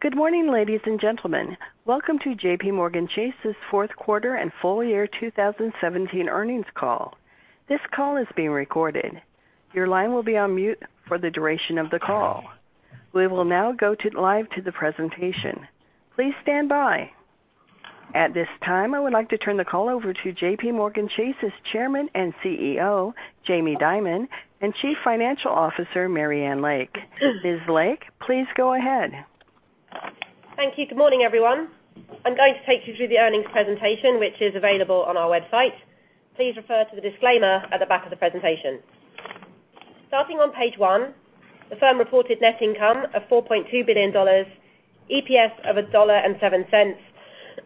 Good morning, ladies and gentlemen. Welcome to JPMorgan Chase's fourth quarter and full year 2017 earnings call. This call is being recorded. Your line will be on mute for the duration of the call. We will now go live to the presentation. Please stand by. At this time, I would like to turn the call over to JPMorgan Chase's Chairman and CEO, Jamie Dimon, and Chief Financial Officer, Marianne Lake. Ms. Lake, please go ahead. Thank you. Good morning, everyone. I'm going to take you through the earnings presentation, which is available on our website. Please refer to the disclaimer at the back of the presentation. Starting on page one, the firm reported net income of $4.2 billion, EPS of $1.07,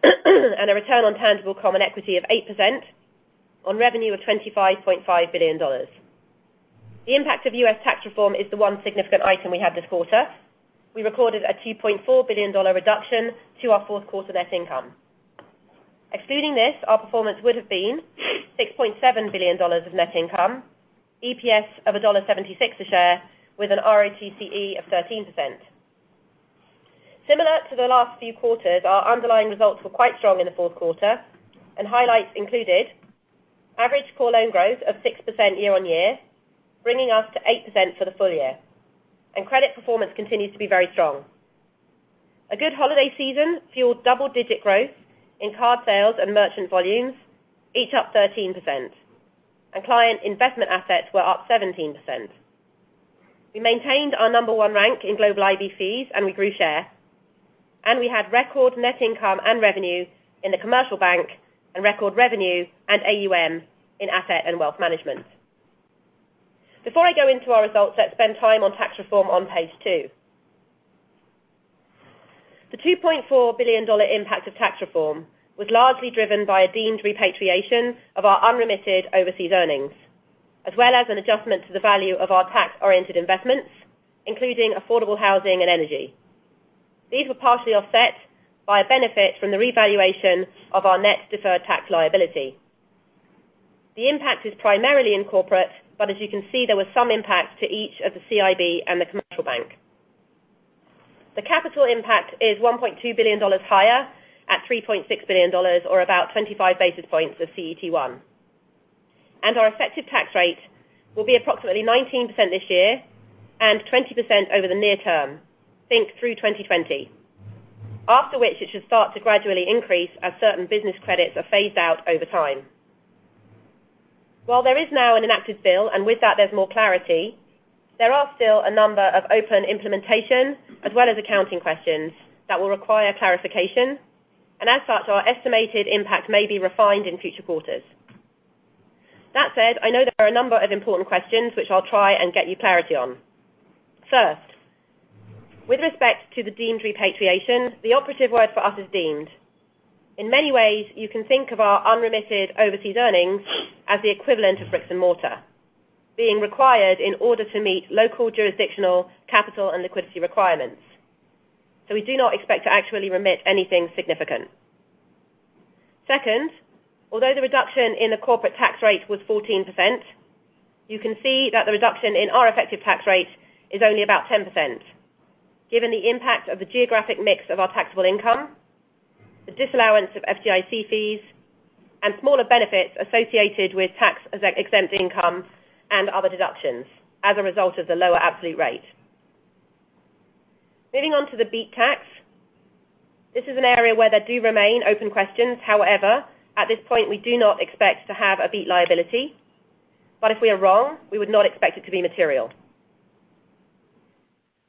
and a return on tangible common equity of 8% on revenue of $25.5 billion. The impact of U.S. Tax reform is the one significant item we have this quarter. We recorded a $2.4 billion reduction to our fourth quarter net income. Excluding this, our performance would've been $6.7 billion of net income, EPS of $1.76 a share with an ROTCE of 13%. Similar to the last few quarters, our underlying results were quite strong in the fourth quarter, highlights included average core loan growth of 6% year-on-year, bringing us to 8% for the full year. Credit performance continues to be very strong. A good holiday season fueled double-digit growth in Card, Merchant Services sales and merchant volumes, each up 13%. Client investment assets were up 17%. We maintained our number one rank in global IB fees, we grew share, we had record net income and revenue in the Commercial Bank and record revenue and AUM in Asset & Wealth Management. Before I go into our results, let's spend time on Tax reform on page two. The $2.4 billion impact of Tax reform was largely driven by a deemed repatriation of our unremitted overseas earnings, as well as an adjustment to the value of our tax-oriented investments, including affordable housing and energy. These were partially offset by a benefit from the revaluation of our net deferred tax liability. The impact is primarily in Corporate, as you can see, there were some impacts to each of the CIB and the Commercial Bank. The capital impact is $1.2 billion higher at $3.6 billion, or about 25 basis points of CET1. Our effective tax rate will be approximately 19% this year and 20% over the near term, think through 2020. After which, it should start to gradually increase as certain business credits are phased out over time. While there is now an enacted bill, with that there's more clarity, there are still a number of open implementation as well as accounting questions that will require clarification. As such, our estimated impact may be refined in future quarters. That said, I know there are a number of important questions, which I'll try and get you clarity on. First, with respect to the deemed repatriation, the operative word for us is deemed. In many ways, you can think of our unremitted overseas earnings as the equivalent of bricks and mortar being required in order to meet local jurisdictional capital and liquidity requirements. We do not expect to actually remit anything significant. Second, although the reduction in the corporate tax rate was 14%, you can see that the reduction in our effective tax rate is only about 10%, given the impact of the geographic mix of our taxable income, the disallowance of FDIC fees, and smaller benefits associated with tax-exempt income and other deductions as a result of the lower absolute rate. Moving on to the BEAT tax. This is an area where there do remain open questions. However, at this point, we do not expect to have a BEAT liability. If we are wrong, we would not expect it to be material.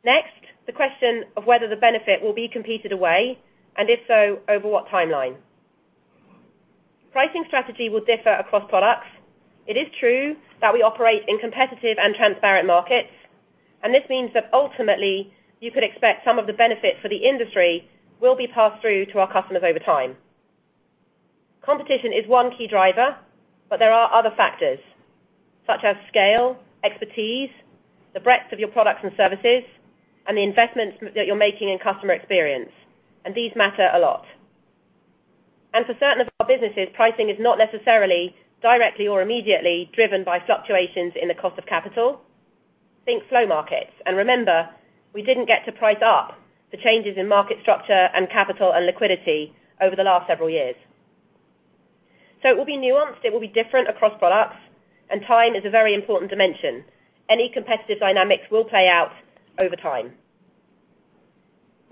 Next, the question of whether the benefit will be competed away, and if so, over what timeline. Pricing strategy will differ across products. It is true that we operate in competitive and transparent markets, and this means that ultimately you could expect some of the benefit for the industry will be passed through to our customers over time. Competition is one key driver, but there are other factors such as scale, expertise, the breadth of your products and services, and the investments that you're making in customer experience, and these matter a lot. For certain of our businesses, pricing is not necessarily directly or immediately driven by fluctuations in the cost of capital, think slow markets. Remember, we didn't get to price up the changes in market structure and capital and liquidity over the last several years. It will be nuanced, it will be different across products, and time is a very important dimension. Any competitive dynamics will play out over time.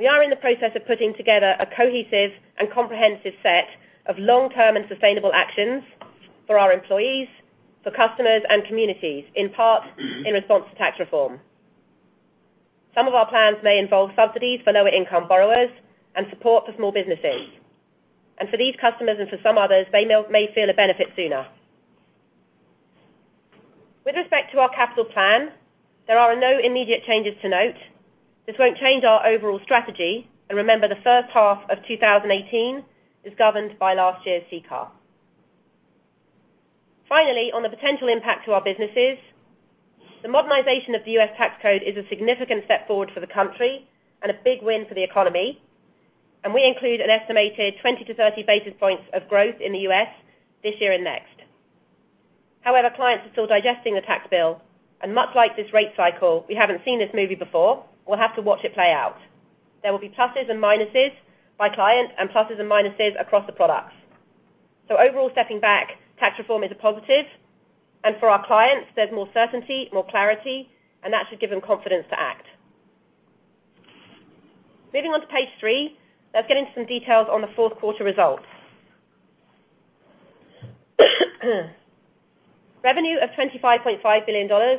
We are in the process of putting together a cohesive and comprehensive set of long-term and sustainable actions for our employees, for customers, and communities, in part in response to tax reform. Some of our plans may involve subsidies for lower-income borrowers and support for small businesses. For these customers and for some others, they may feel a benefit sooner. With respect to our capital plan, there are no immediate changes to note. This won't change our overall strategy. Remember, the first half of 2018 is governed by last year's CCAR. Finally, on the potential impact to our businesses, the modernization of the U.S. tax code is a significant step forward for the country and a big win for the economy. We include an estimated 20-30 basis points of growth in the U.S. this year and next. However, clients are still digesting the tax bill, and much like this rate cycle, we haven't seen this movie before. We'll have to watch it play out. There will be pluses and minuses by client, and pluses and minuses across the products. Overall, stepping back, tax reform is a positive. For our clients, there's more certainty, more clarity, and that should give them confidence to act. Moving on to page three, let's get into some details on the fourth quarter results. Revenue of $25.5 billion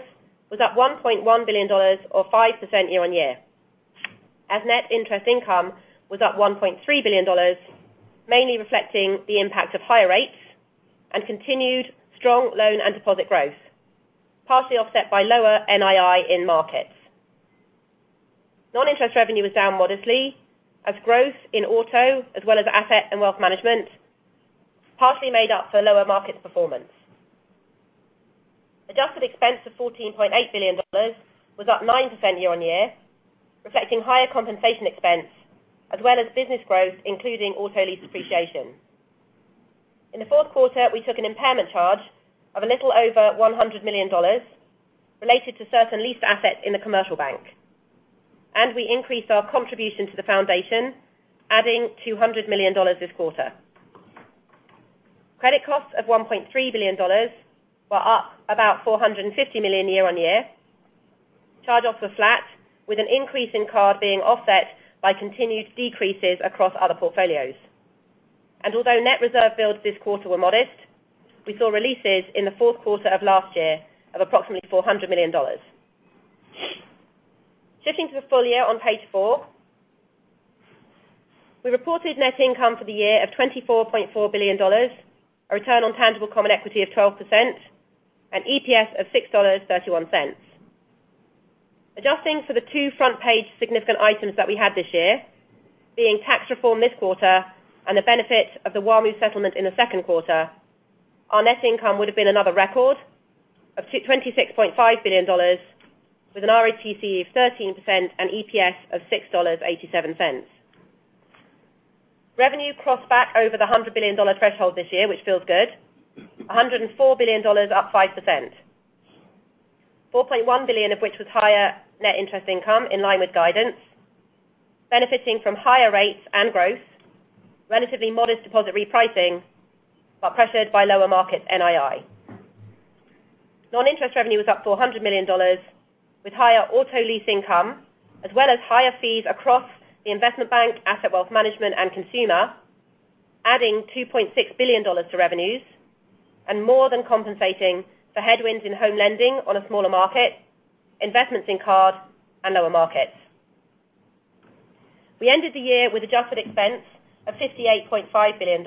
was up $1.1 billion or 5% year-on-year. Net interest income was up $1.3 billion, mainly reflecting the impact of higher rates and continued strong loan and deposit growth, partially offset by lower NII in Markets. Non-interest revenue was down modestly as growth in auto, as well as Asset & Wealth Management, partly made up for lower market performance. Adjusted expense of $14.8 billion was up 9% year-over-year, reflecting higher compensation expense as well as business growth, including auto lease depreciation. In the fourth quarter, we took an impairment charge of a little over $100 million related to certain leased assets in the commercial bank. We increased our contribution to the foundation, adding $200 million this quarter. Credit costs of $1.3 billion were up about $450 million year-over-year. Charge-offs were flat, with an increase in Card being offset by continued decreases across other portfolios. Although net reserve builds this quarter were modest, we saw releases in the fourth quarter of last year of approximately $400 million. Shifting to the full year on page four. We reported net income for the year of $24.4 billion, a return on tangible common equity of 12%, and EPS of $6.31. Adjusting for the two front-page significant items that we had this year, being tax reform this quarter and the benefit of the WaMu settlement in the second quarter, our net income would have been another record of $26.5 billion, with an ROTCE of 13% and EPS of $6.87. Revenue crossed back over the $100 billion threshold this year, which feels good. $104 billion, up 5%. $4.1 billion of which was higher net interest income in line with guidance, benefiting from higher rates and growth, relatively modest deposit repricing, but pressured by lower market NII. Non-interest revenue was up $400 million, with higher auto lease income, as well as higher fees across the Investment Bank, Asset & Wealth Management, and Consumer, adding $2.6 billion to revenues, more than compensating for headwinds in home lending on a smaller market, investments in Card, and lower Markets. We ended the year with adjusted expense of $58.5 billion.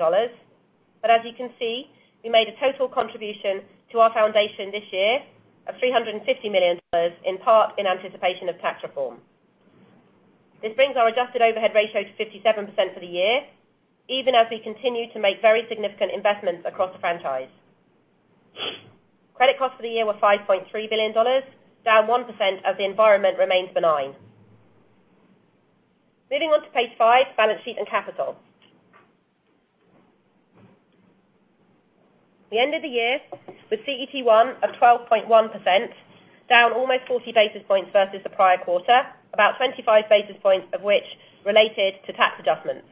As you can see, we made a total contribution to our foundation this year of $350 million, in part in anticipation of tax reform. This brings our adjusted overhead ratio to 57% for the year, even as we continue to make very significant investments across the franchise. Credit costs for the year were $5.3 billion, down 1% as the environment remains benign. Moving on to page five, balance sheet and capital. We end the year with CET1 of 12.1%, down almost 40 basis points versus the prior quarter, about 25 basis points of which related to tax adjustments,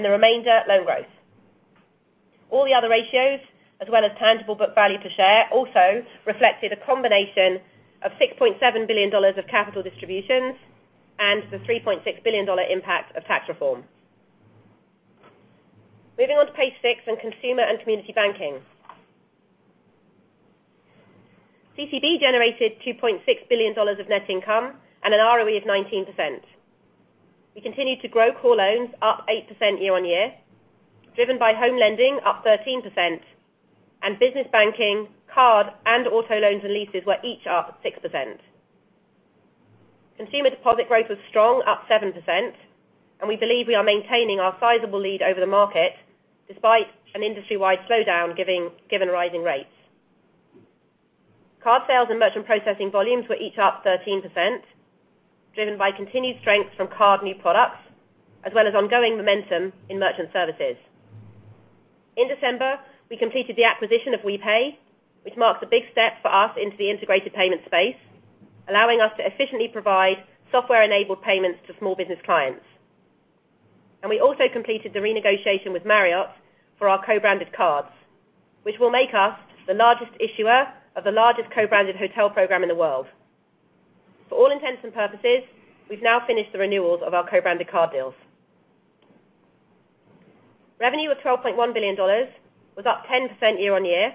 the remainder, low growth. All the other ratios, as well as tangible book value to share, also reflected a combination of $6.7 billion of capital distributions and the $3.6 billion impact of tax reform. Moving on to page six in Consumer & Community Banking. CCB generated $2.6 billion of net income and an ROE of 19%. We continued to grow core loans up 8% year-over-year, driven by home lending up 13%, Business Banking, Card, and auto loans and leases were each up 6%. Consumer deposit growth was strong, up 7%. We believe we are maintaining our sizable lead over the market despite an industry-wide slowdown given rising rates. Card sales and merchant processing volumes were each up 13%, driven by continued strength from card new products as well as ongoing momentum in merchant services. In December, we completed the acquisition of WePay, which marks a big step for us into the integrated payment space, allowing us to efficiently provide software-enabled payments to small business clients. We also completed the renegotiation with Marriott for our co-branded cards, which will make us the largest issuer of the largest co-branded hotel program in the world. For all intents and purposes, we've now finished the renewals of our co-branded card deals. Revenue of $12.1 billion was up 10% year-over-year.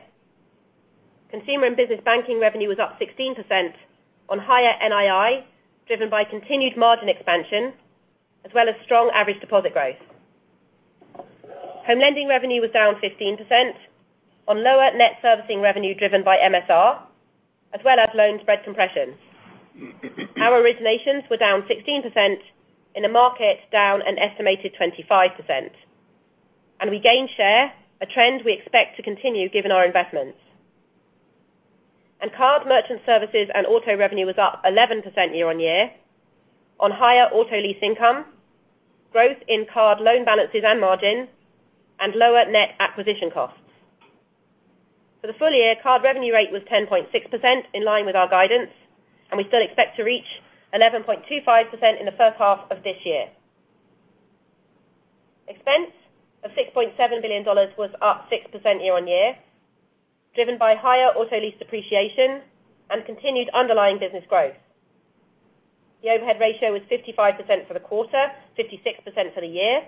Consumer and business banking revenue was up 16% on higher NII, driven by continued margin expansion, as well as strong average deposit growth. Home lending revenue was down 15% on lower net servicing revenue driven by MSR, as well as loan spread compression. Our originations were down 16% in a market down an estimated 25%. We gained share, a trend we expect to continue given our investments. Card, Merchant Services and Auto revenue was up 11% year-over-year on higher auto lease income, growth in card loan balances and margin, and lower net acquisition costs. For the full year, card revenue rate was 10.6%, in line with our guidance, and we still expect to reach 11.25% in the first half of this year. Expense of $6.7 billion was up 6% year-over-year, driven by higher auto lease depreciation and continued underlying business growth. The overhead ratio was 55% for the quarter, 56% for the year,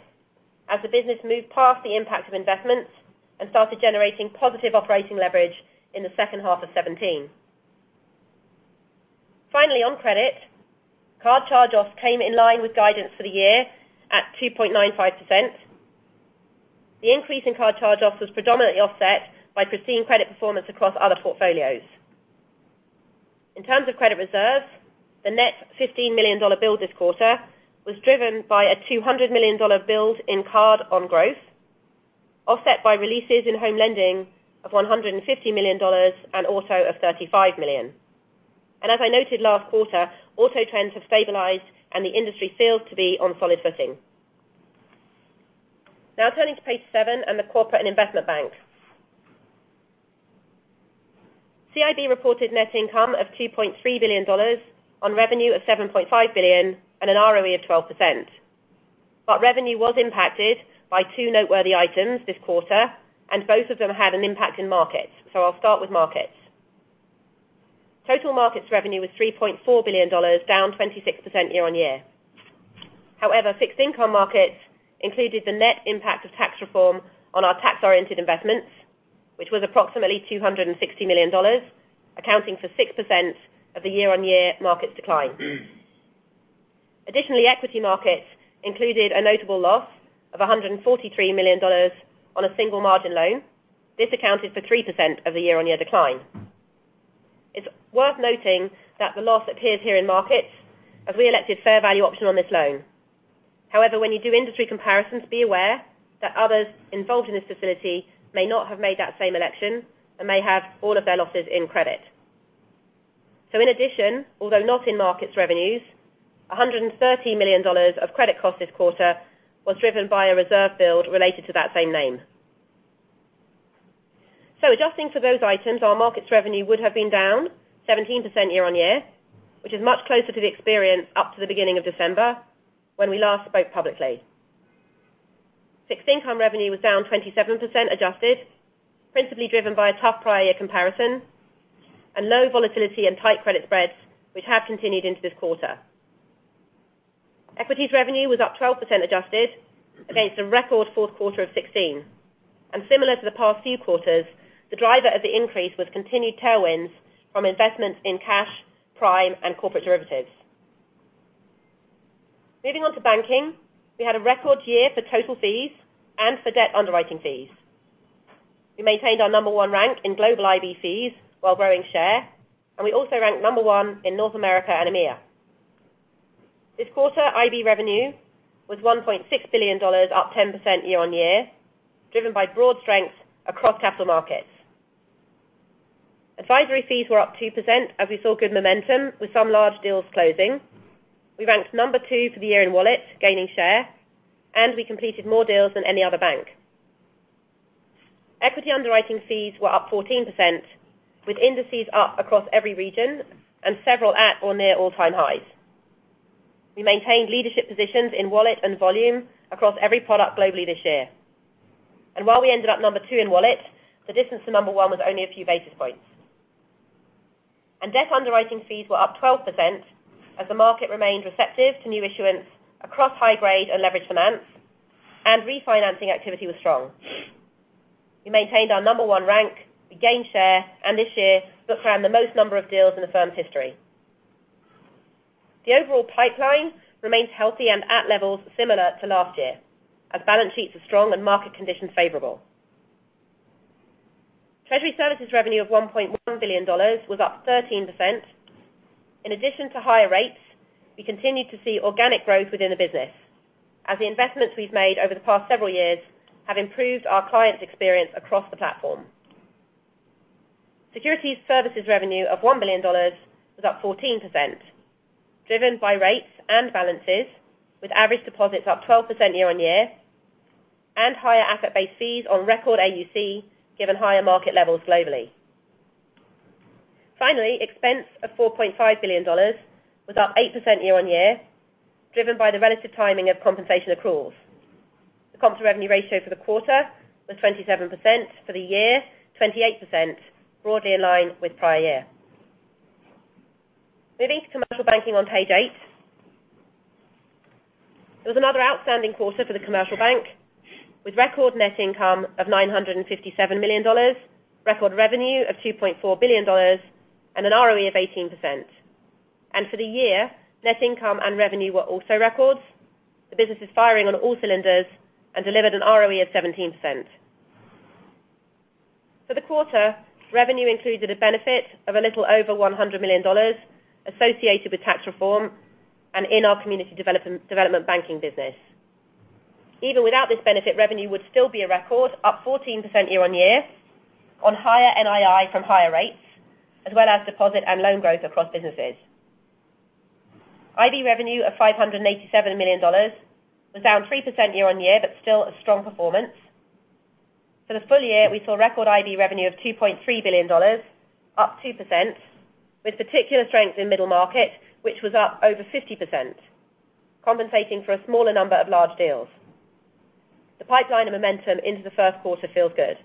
as the business moved past the impact of investments and started generating positive operating leverage in the second half of 2017. Finally, on credit, card charge-offs came in line with guidance for the year at 2.95%. The increase in card charge-offs was predominantly offset by pristine credit performance across other portfolios. In terms of credit reserves, the net $15 million build this quarter was driven by a $200 million build in card on growth, offset by releases in home lending of $150 million and auto of $35 million. As I noted last quarter, auto trends have stabilized, and the industry feels to be on solid footing. Now turning to page seven and the Corporate and Investment Bank. CIB reported net income of $2.3 billion on revenue of $7.5 billion and an ROE of 12%. Revenue was impacted by two noteworthy items this quarter, and both of them had an impact in markets. I'll start with markets. Total markets revenue was $3.4 billion, down 26% year-over-year. However, fixed income markets included the net impact of tax reform on our tax-oriented investments, which was approximately $260 million, accounting for 6% of the year-over-year markets decline. Additionally, equity markets included a notable loss of $143 million on a single margin loan. This accounted for 3% of the year-over-year decline. It's worth noting that the loss appears here in markets as we elected fair value option on this loan. However, when you do industry comparisons, be aware that others involved in this facility may not have made that same election and may have all of their losses in credit. In addition, although not in markets revenues, $130 million of credit cost this quarter was driven by a reserve build related to that same name. Adjusting for those items, our markets revenue would have been down 17% year-on-year, which is much closer to the experience up to the beginning of December, when we last spoke publicly. Fixed income revenue was down 27% adjusted, principally driven by a tough prior year comparison and low volatility and tight credit spreads, which have continued into this quarter. Equities revenue was up 12% adjusted against a record fourth quarter of 2016. Similar to the past few quarters, the driver of the increase was continued tailwinds from investments in cash, prime, and corporate derivatives. Moving on to banking, we had a record year for total fees and for debt underwriting fees. We maintained our number 1 rank in global IB fees while growing share, we also ranked number 1 in North America and EMEA. This quarter, IB revenue was $1.6 billion, up 10% year-on-year, driven by broad strength across capital markets. Advisory fees were up 2% as we saw good momentum with some large deals closing. We ranked number 2 for the year in wallet, gaining share, and we completed more deals than any other bank. Equity underwriting fees were up 14%, with indices up across every region and several at or near all-time highs. We maintained leadership positions in wallet and volume across every product globally this year. While we ended up number 2 in wallet, the distance to number 1 was only a few basis points. Debt underwriting fees were up 12% as the market remained receptive to new issuance across high grade and leverage finance, and refinancing activity was strong. We maintained our number 1 rank, we gained share, and this year, booked around the most number of deals in the firm's history. The overall pipeline remains healthy and at levels similar to last year as balance sheets are strong and market conditions favorable. Treasury services revenue of $1.1 billion was up 13%. In addition to higher rates, we continued to see organic growth within the business as the investments we've made over the past several years have improved our clients' experience across the platform. Securities services revenue of $1 billion was up 14%, driven by rates and balances, with average deposits up 12% year-on-year and higher asset-based fees on record AUC given higher market levels globally. Finally, expense of $4.5 billion was up 8% year-on-year, driven by the relative timing of compensation accruals. The comp-to-revenue ratio for the quarter was 27%, for the year 28%, broadly in line with prior year. Moving to Commercial Banking on page eight. It was another outstanding quarter for the Commercial Bank, with record net income of $957 million, record revenue of $2.4 billion, and an ROE of 18%. For the year, net income and revenue were also records. The business is firing on all cylinders and delivered an ROE of 17%. For the quarter, revenue included a benefit of a little over $100 million associated with tax reform and in our community development banking business. Even without this benefit, revenue would still be a record, up 14% year-on-year on higher NII from higher rates, as well as deposit and loan growth across businesses. IB revenue of $587 million was down 3% year-on-year, still a strong performance. For the full year, we saw record IB revenue of $2.3 billion, up 2%, with particular strength in middle market, which was up over 50%, compensating for a smaller number of large deals. The pipeline and momentum into the first quarter feels good.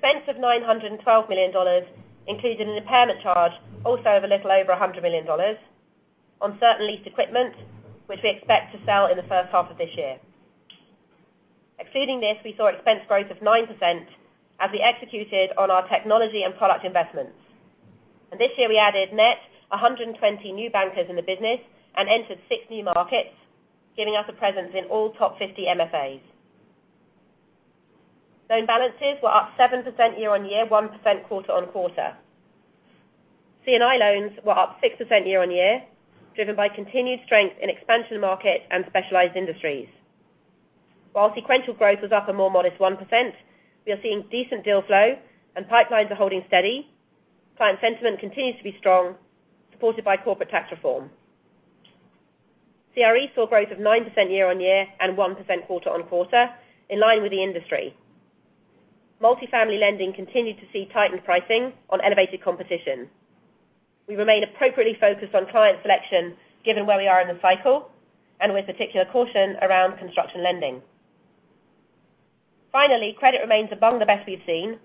Expense of $912 million included an impairment charge also of a little over $100 million on certain leased equipment, which we expect to sell in the first half of this year. Excluding this, we saw expense growth of 9% as we executed on our technology and product investments. This year we added net 120 new bankers in the business and entered 60 markets, giving us a presence in all top 50 MSAs. Loan balances were up 7% year-on-year, 1% quarter-on-quarter. C&I loans were up 6% year-on-year, driven by continued strength in expansion market and specialized industries. While sequential growth was up a more modest 1%, we are seeing decent deal flow and pipelines are holding steady. Client sentiment continues to be strong, supported by corporate tax reform. CRE saw growth of 9% year-on-year and 1% quarter-on-quarter, in line with the industry. Multifamily lending continued to see tightened pricing on elevated competition. We remain appropriately focused on client selection given where we are in the cycle, with particular caution around construction lending. Finally, credit remains among the best we've seen.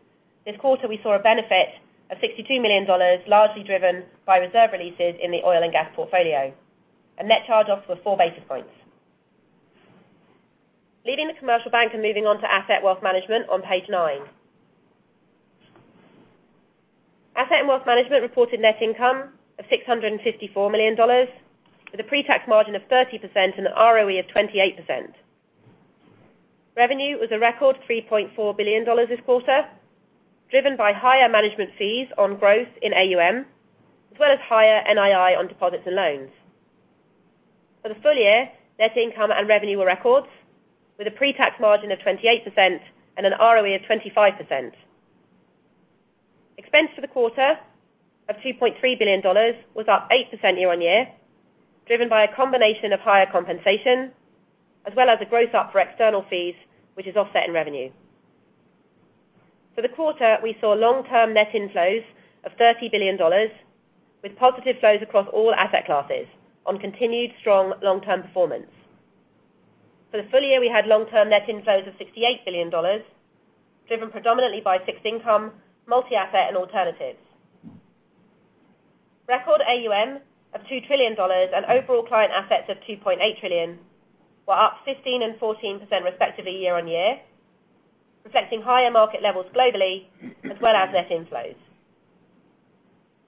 This quarter, we saw a benefit of $62 million, largely driven by reserve releases in the oil and gas portfolio, and net charge-offs were four basis points. Leaving the commercial bank and moving on to Asset & Wealth Management on Page nine. Asset & Wealth Management reported net income of $654 million, with a pre-tax margin of 30% and an ROE of 28%. Revenue was a record $3.4 billion this quarter, driven by higher management fees on growth in AUM, as well as higher NII on deposits and loans. For the full year, net income and revenue were records, with a pre-tax margin of 28% and an ROE of 25%. Expense for the quarter of $2.3 billion was up 8% year-on-year, driven by a combination of higher compensation as well as a growth up for external fees, which is offset in revenue. For the quarter, we saw long-term net inflows of $30 billion, with positive flows across all asset classes on continued strong long-term performance. For the full year, we had long-term net inflows of $68 billion, driven predominantly by fixed income, multi-asset, and alternatives. Record AUM of $2 trillion and overall client assets of $2.8 trillion were up 15% and 14% respectively year-on-year, reflecting higher market levels globally, as well as net inflows.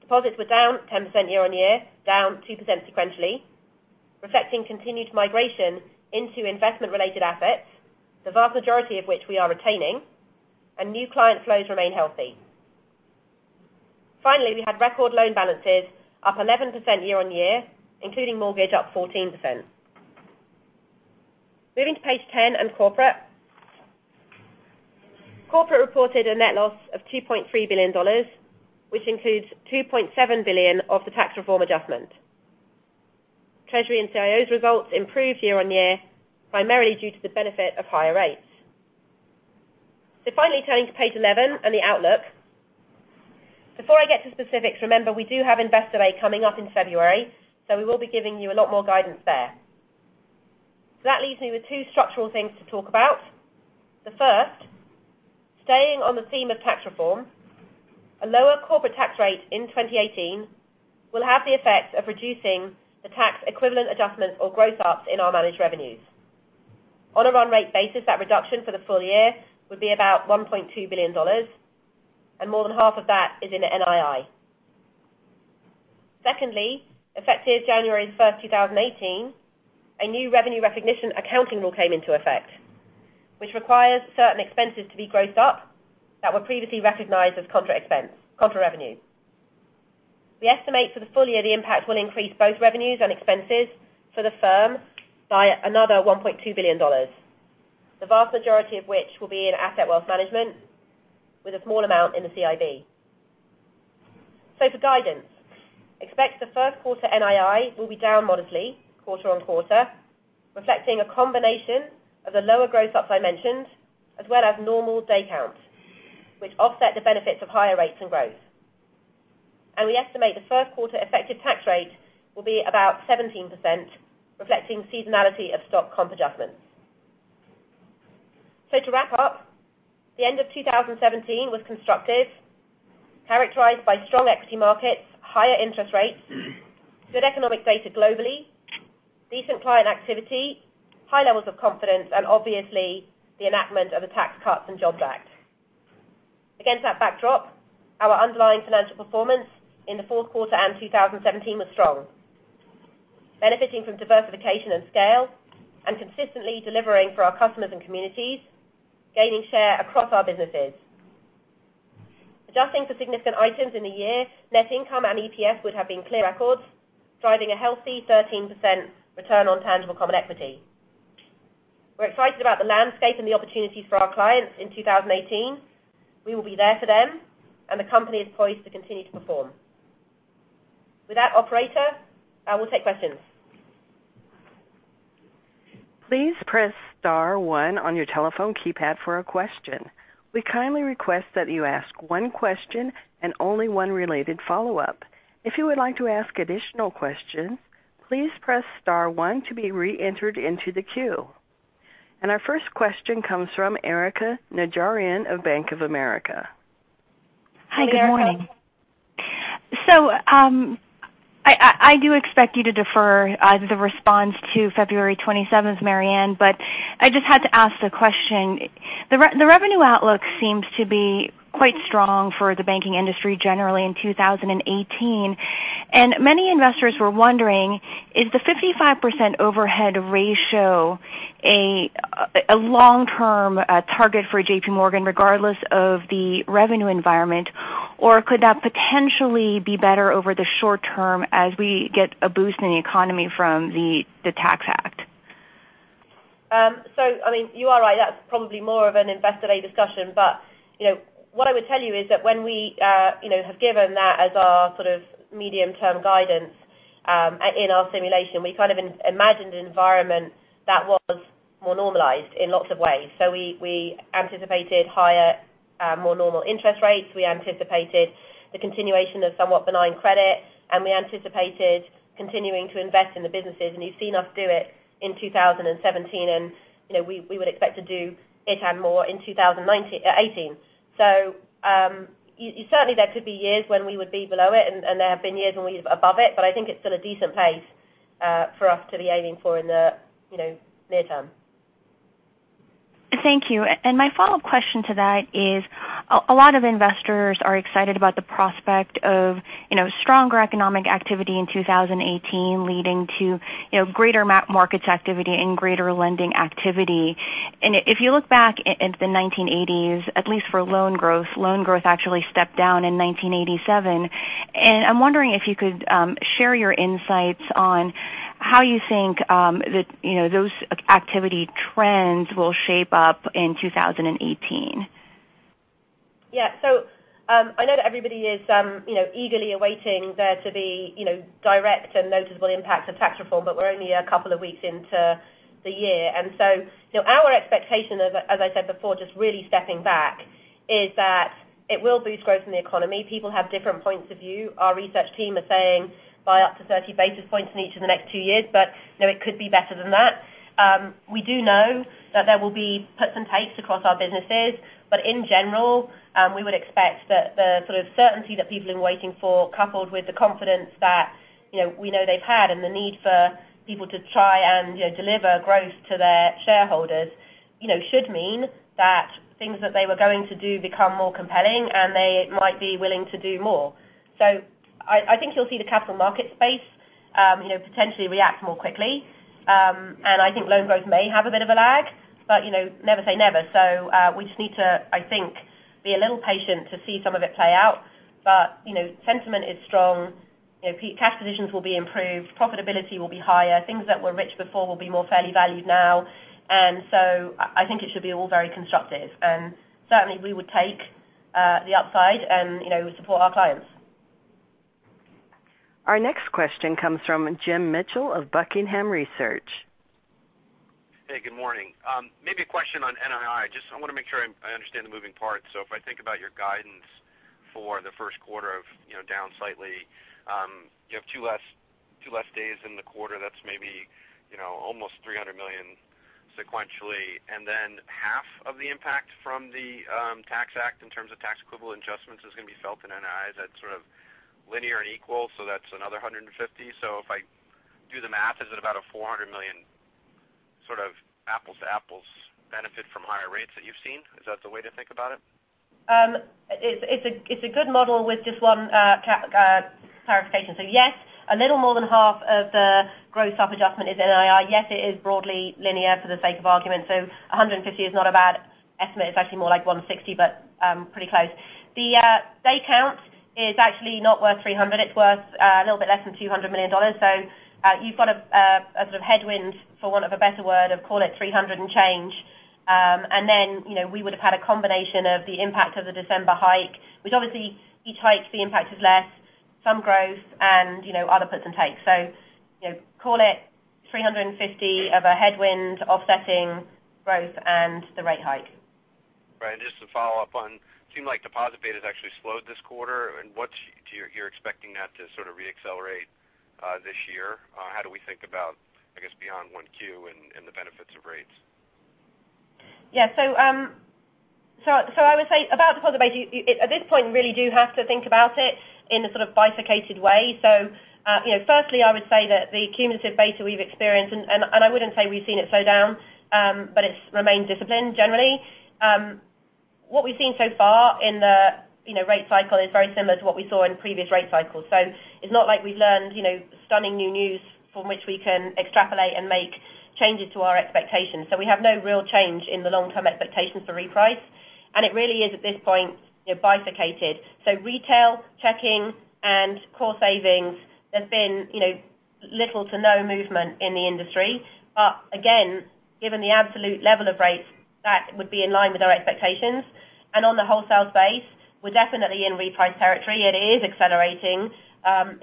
Deposits were down 10% year-on-year, down 2% sequentially, reflecting continued migration into investment-related assets, the vast majority of which we are retaining, and new client flows remain healthy. Finally, we had record loan balances up 11% year-on-year, including mortgage up 14%. Moving to Page 10 on corporate. Corporate reported a net loss of $2.3 billion, which includes $2.7 billion of the tax reform adjustment. Treasury and CIO's results improved year-on-year, primarily due to the benefit of higher rates. Finally turning to Page 11 and the outlook. Before I get to specifics, remember, we do have Investor Day coming up in February, we will be giving you a lot more guidance there. That leaves me with two structural things to talk about. The first, staying on the theme of tax reform, a lower corporate tax rate in 2018 will have the effect of reducing the tax equivalent adjustments or gross-ups in our managed revenues. On a run-rate basis, that reduction for the full year would be about $1.2 billion, more than half of that is in NII. Secondly, effective January 1, 2018, a new revenue recognition accounting rule came into effect, which requires certain expenses to be grossed up that were previously recognized as contra revenue. We estimate for the full year the impact will increase both revenues and expenses for the firm by another $1.2 billion, the vast majority of which will be in Asset & Wealth Management, with a small amount in the CIB. For guidance, expect the first quarter NII will be down modestly quarter-on-quarter, reflecting a combination of the lower gross-ups I mentioned, as well as normal day counts, which offset the benefits of higher rates and growth. We estimate the first quarter effective tax rate will be about 17%, reflecting seasonality of stock comp adjustments. To wrap up, the end of 2017 was constructive, characterized by strong equity markets, higher interest rates, good economic data globally, decent client activity, high levels of confidence, and obviously, the enactment of the Tax Cuts and Jobs Act. Against that backdrop, our underlying financial performance in the fourth quarter and 2017 was strong, benefiting from diversification and scale, consistently delivering for our customers and communities, gaining share across our businesses. Adjusting for significant items in the year, net income and EPS would have been clear records, driving a healthy 13% return on tangible common equity. We're excited about the landscape and the opportunities for our clients in 2018. We will be there for them, the company is poised to continue to perform. With that, operator, I will take questions. Please press star one on your telephone keypad for a question. We kindly request that you ask one question and only one related follow-up. If you would like to ask additional questions, please press star one to be re-entered into the queue. Our first question comes from Erika Najarian of Bank of America. Hi, good morning. Hi, Erika. I do expect you to defer the response to February 27th, Marianne, but I just had to ask the question. The revenue outlook seems to be quite strong for the banking industry generally in 2018. Many investors were wondering, is the 55% overhead ratio a long-term target for J.P. Morgan, regardless of the revenue environment, or could that potentially be better over the short term as we get a boost in the economy from the Tax Act? You are right. That's probably more of an Investor Day discussion. What I would tell you is that when we have given that as our sort of medium-term guidance in our simulation, we kind of imagined an environment that was more normalized in lots of ways. We anticipated higher, more normal interest rates, we anticipated the continuation of somewhat benign credit, and we anticipated continuing to invest in the businesses, and you've seen us do it in 2017, and we would expect to do it and more in 2018. Certainly there could be years when we would be below it, and there have been years when we above it, but I think it's still a decent pace for us to be aiming for in the near term. Thank you. My follow-up question to that is, a lot of investors are excited about the prospect of stronger economic activity in 2018 leading to greater markets activity and greater lending activity. If you look back at the 1980s, at least for loan growth, loan growth actually stepped down in 1987. I am wondering if you could share your insights on how you think those activity trends will shape up in 2018. Yeah. I know that everybody is eagerly awaiting there to be direct and noticeable impacts of tax reform, but we are only a couple of weeks into the year. Our expectation, as I said before, just really stepping back, is that it will boost growth in the economy. People have different points of view. Our research team are saying by up to 30 basis points in each of the next two years, but it could be better than that. We do know that there will be puts and takes across our businesses, but in general, we would expect that the sort of certainty that people are waiting for, coupled with the confidence that we know they have had and the need for people to try and deliver growth to their shareholders should mean that things that they were going to do become more compelling, and they might be willing to do more. I think you will see the capital markets space potentially react more quickly. I think loan growth may have a bit of a lag, never say never. We just need to, I think, be a little patient to see some of it play out. Sentiment is strong. Cash positions will be improved, profitability will be higher. Things that were rich before will be more fairly valued now. I think it should be all very constructive. Certainly, we would take the upside and support our clients. Our next question comes from Jim Mitchell of Buckingham Research. Hey, good morning. Maybe a question on NII. Just I want to make sure I understand the moving parts. If I think about your guidance for the first quarter of down slightly, you have two less days in the quarter, that's maybe almost $300 million sequentially. Half of the impact from the Tax Act in terms of tax equivalent adjustments is going to be felt in NII. Is that sort of linear and equal, that's another $150? If I do the math, is it about a $400 million sort of apples-to-apples benefit from higher rates that you've seen? Is that the way to think about it? It's a good model with just one clarification. Yes, a little more than half of the gross-up adjustment is NII. Yes, it is broadly linear for the sake of argument. $150 is not a bad estimate. It's actually more like $160, but pretty close. The day count is actually not worth $300. It's worth a little bit less than $200 million. You've got a sort of headwind, for want of a better word, of call it $300 and change. We would have had a combination of the impact of the December hike, which obviously each hike, the impact is less, some growth and other puts and takes. Call it $350 of a headwind offsetting growth and the rate hike. Right. Just to follow up on, it seemed like deposit beta has actually slowed this quarter. You're expecting that to sort of re-accelerate this year? How do we think about, I guess, beyond one Q and the benefits of rates? Yeah. I would say about deposit beta, at this point, you really do have to think about it in a sort of bifurcated way. Firstly, I would say that the cumulative beta we've experienced, and I wouldn't say we've seen it slow down, but it's remained disciplined generally. What we've seen so far in the rate cycle is very similar to what we saw in previous rate cycles. It's not like we've learned stunning new news from which we can extrapolate and make changes to our expectations. We have no real change in the long-term expectations for reprice, and it really is, at this point, bifurcated. Retail checking and core savings have been little to no movement in the industry. Again, given the absolute level of rates, that would be in line with our expectations. On the wholesale space, we're definitely in reprice territory. It is accelerating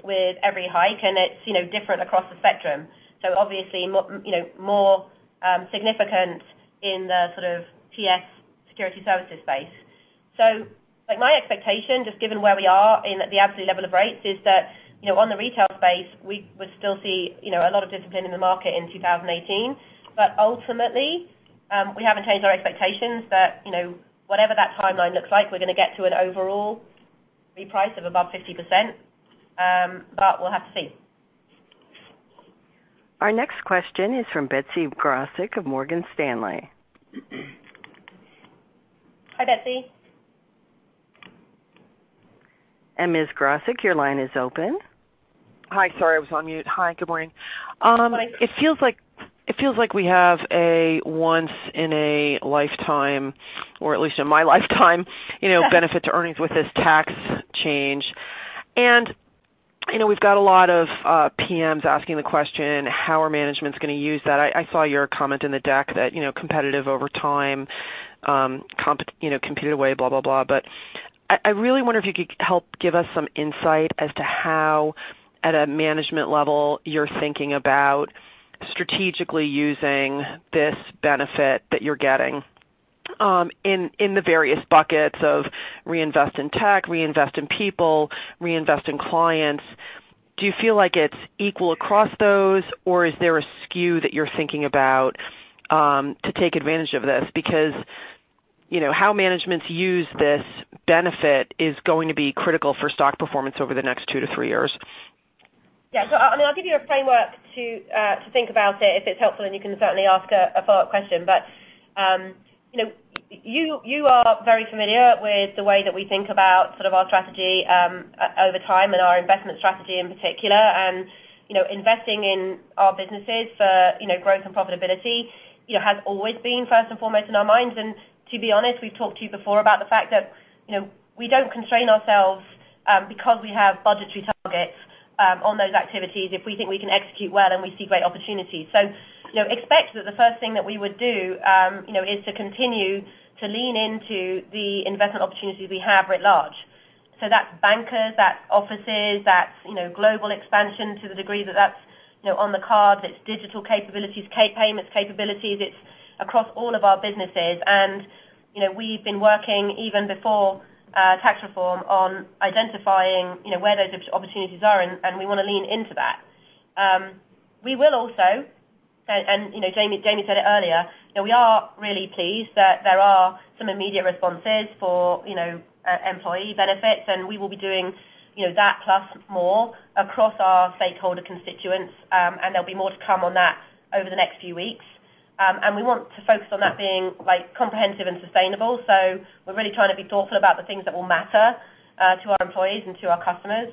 with every hike, and it's different across the spectrum. Obviously, more significant in the sort of TS security services space. My expectation, just given where we are in the absolute level of rates, is that on the retail space, we would still see a lot of discipline in the market in 2018. Ultimately, we haven't changed our expectations that whatever that timeline looks like, we're going to get to an overall reprice of above 50%, but we'll have to see. Our next question is from Betsy Graseck of Morgan Stanley. Hi, Betsy. Ms. Graseck, your line is open. Hi. Sorry, I was on mute. Hi, good morning. Hi. It feels like we have a once in a lifetime, or at least in my lifetime, benefit to earnings with this tax change. We've got a lot of PMs asking the question, how are managements going to use that? I saw your comment in the deck that competitive over time, competed away, blah blah blah. I really wonder if you could help give us some insight as to how, at a management level, you're thinking about strategically using this benefit that you're getting in the various buckets of reinvest in tech, reinvest in people, reinvest in clients. Do you feel like it's equal across those, or is there a skew that you're thinking about to take advantage of this? Because how managements use this benefit is going to be critical for stock performance over the next two to three years. Yeah. I mean, I'll give you a framework to think about it. If it's helpful, then you can certainly ask a follow-up question. You are very familiar with the way that we think about our strategy over time and our investment strategy in particular. Investing in our businesses for growth and profitability has always been first and foremost in our minds. To be honest, we've talked to you before about the fact that we don't constrain ourselves because we have budgetary targets on those activities if we think we can execute well and we see great opportunities. Expect that the first thing that we would do is to continue to lean into the investment opportunities we have writ large. That's bankers, that's offices, that's global expansion to the degree that that's on the cards. It's digital capabilities, payments capabilities. It's across all of our businesses. We've been working even before tax reform on identifying where those opportunities are, and we want to lean into that. We will also, and Jamie said it earlier, we are really pleased that there are some immediate responses for employee benefits, and we will be doing that plus more across our stakeholder constituents. There'll be more to come on that over the next few weeks. We want to focus on that being comprehensive and sustainable. We're really trying to be thoughtful about the things that will matter to our employees and to our customers.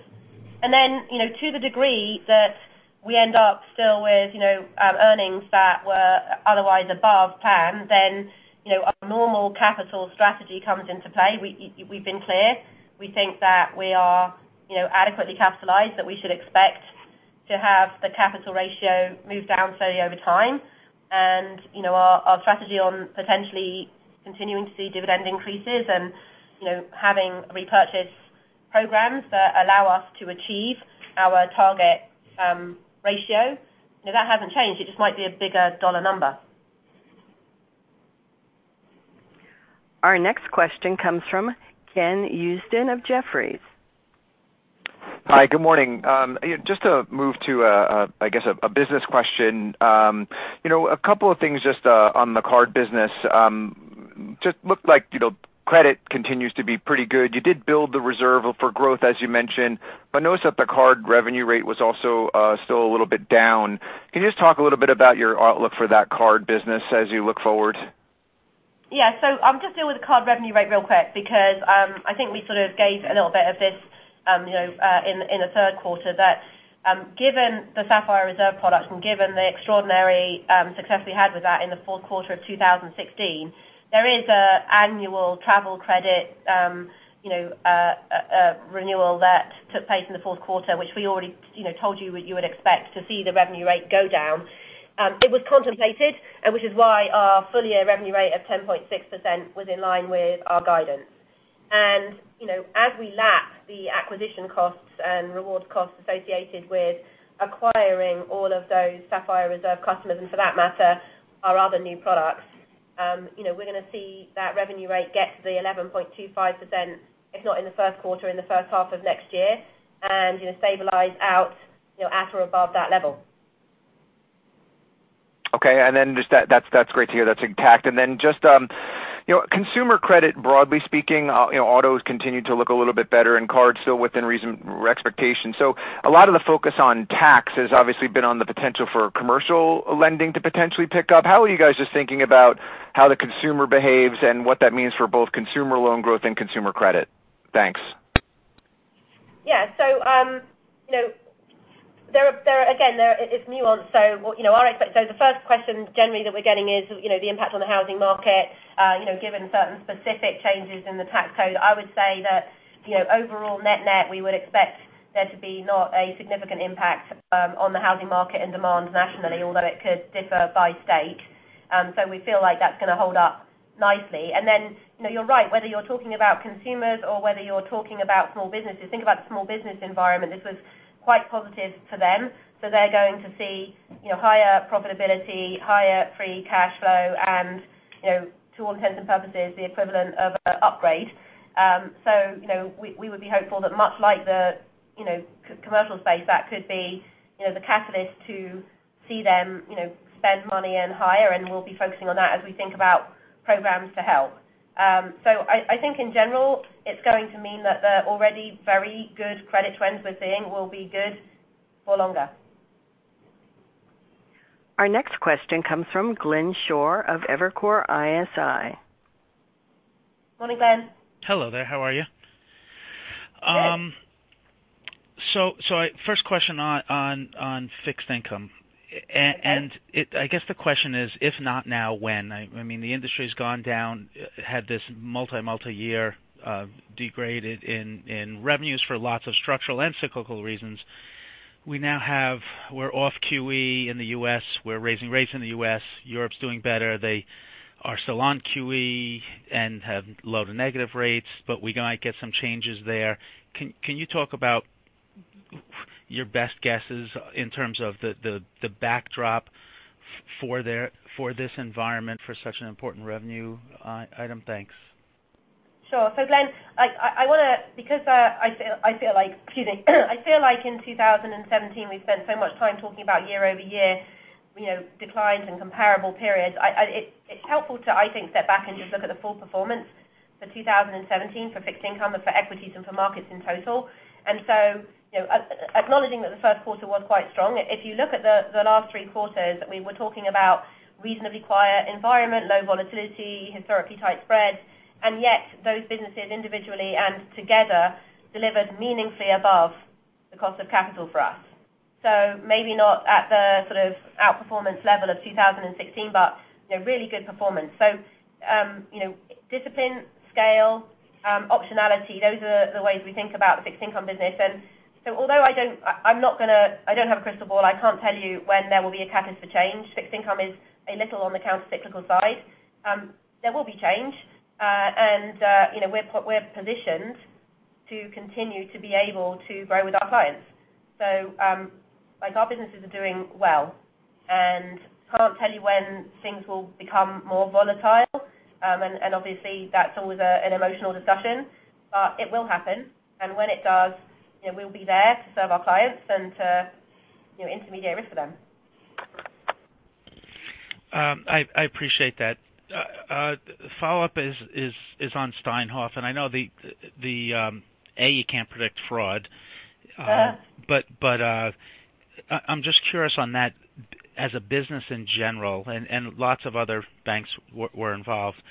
To the degree that we end up still with earnings that were otherwise above plan, then our normal capital strategy comes into play. We've been clear. We think that we are adequately capitalized, that we should expect to have the capital ratio move down slowly over time. Our strategy on potentially continuing to see dividend increases and having repurchase programs that allow us to achieve our target ratio, that hasn't changed. It just might be a bigger dollar number. Our next question comes from Ken Usdin of Jefferies. Hi, good morning. Just to move to, I guess, a business question. A couple of things just on the card business. Just looked like credit continues to be pretty good. You did build the reserve for growth, as you mentioned, but notice that the card revenue rate was also still a little bit down. Can you just talk a little bit about your outlook for that card business as you look forward? Yeah. I'll just deal with the Card revenue rate real quick because I think we sort of gave a little bit of this in the third quarter, that given the Sapphire Reserve products and given the extraordinary success we had with that in the fourth quarter of 2016, there is an annual travel credit renewal that took place in the fourth quarter, which we already told you what you would expect to see the revenue rate go down. It was contemplated, which is why our full-year revenue rate of 10.6% was in line with our guidance. As we lap the acquisition costs and reward costs associated with acquiring all of those Sapphire Reserve customers, and for that matter, our other new products, we're going to see that revenue rate get to the 11.25%, if not in the first quarter, in the first half of next year, and stabilize out at or above that level. Okay. That's great to hear. That's intact. Then just consumer credit, broadly speaking, autos continue to look a little bit better and cards still within reason or expectation. A lot of the focus on tax has obviously been on the potential for commercial lending to potentially pick up. How are you guys just thinking about how the consumer behaves and what that means for both consumer loan growth and consumer credit? Thanks. Yeah. Again, it's nuanced. The first question generally that we're getting is the impact on the housing market given certain specific changes in the tax code. I would say that overall net-net, we would expect there to be not a significant impact on the housing market and demand nationally, although it could differ by state. We feel like that's going to hold up nicely. Then you're right, whether you're talking about consumers or whether you're talking about small businesses. Think about the small business environment. This was quite positive for them. They're going to see higher profitability, higher free cash flow, and to all intents and purposes, the equivalent of an upgrade. We would be hopeful that much like the commercial space, that could be the catalyst to see them spend money and hire, and we'll be focusing on that as we think about programs to help. I think in general, it's going to mean that the already very good credit trends we're seeing will be good for longer. Our next question comes from Glenn Schorr of Evercore ISI. Morning, Glenn. Hello there. How are you? Good. First question on fixed income. Okay. I guess the question is, if not now, when? I mean, the industry's gone down, had this multi-year degraded in revenues for lots of structural and cyclical reasons. We now have, we're off QE in the U.S. We're raising rates in the U.S. Europe's doing better. They are still on QE and have low to negative rates, but we might get some changes there. Can you talk about your best guesses in terms of the backdrop for this environment for such an important revenue item? Thanks. Sure. Glenn, because I feel like in 2017 we've spent so much time talking about year-over-year declines in comparable periods, it's helpful to, I think, step back and just look at the full performance for 2017 for fixed income and for equities and for markets in total. Acknowledging that the first quarter was quite strong, if you look at the last three quarters, we were talking about reasonably quiet environment, low volatility, historically tight spreads, and yet those businesses individually and together delivered meaningfully above the cost of capital for us. Maybe not at the sort of outperformance level of 2016, but really good performance. Discipline, scale, optionality, those are the ways we think about the fixed income business. Although I don't have a crystal ball, I can't tell you when there will be a catalyst for change. Fixed income is a little on the countercyclical side. There will be change. We're positioned to continue to be able to grow with our clients. Our businesses are doing well and can't tell you when things will become more volatile. Obviously, that's always an emotional discussion, but it will happen. When it does, we'll be there to serve our clients and to intermediate risk for them. I appreciate that. Follow-up is on Steinhoff, you can't predict fraud. Yeah. I'm just curious on that as a business in general, lots of other banks were involved,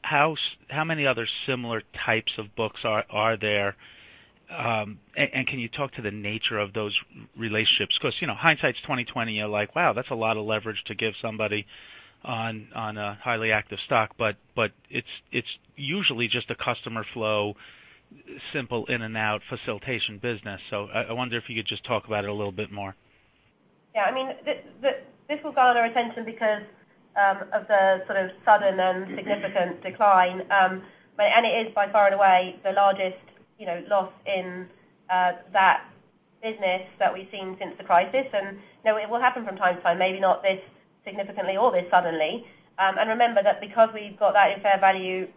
how many other similar types of books are there? Can you talk to the nature of those relationships? Hindsight is 2020, you're like, "Wow, that's a lot of leverage to give somebody on a highly active stock." It's usually just a customer flow, simple in and out facilitation business. I wonder if you could just talk about it a little bit more. Yeah, this will gather attention because of the sort of sudden and significant decline. It is by far and away the largest loss in that business that we've seen since the crisis. It will happen from time to time, maybe not this significantly or this suddenly. Remember that because we've got that in fair value,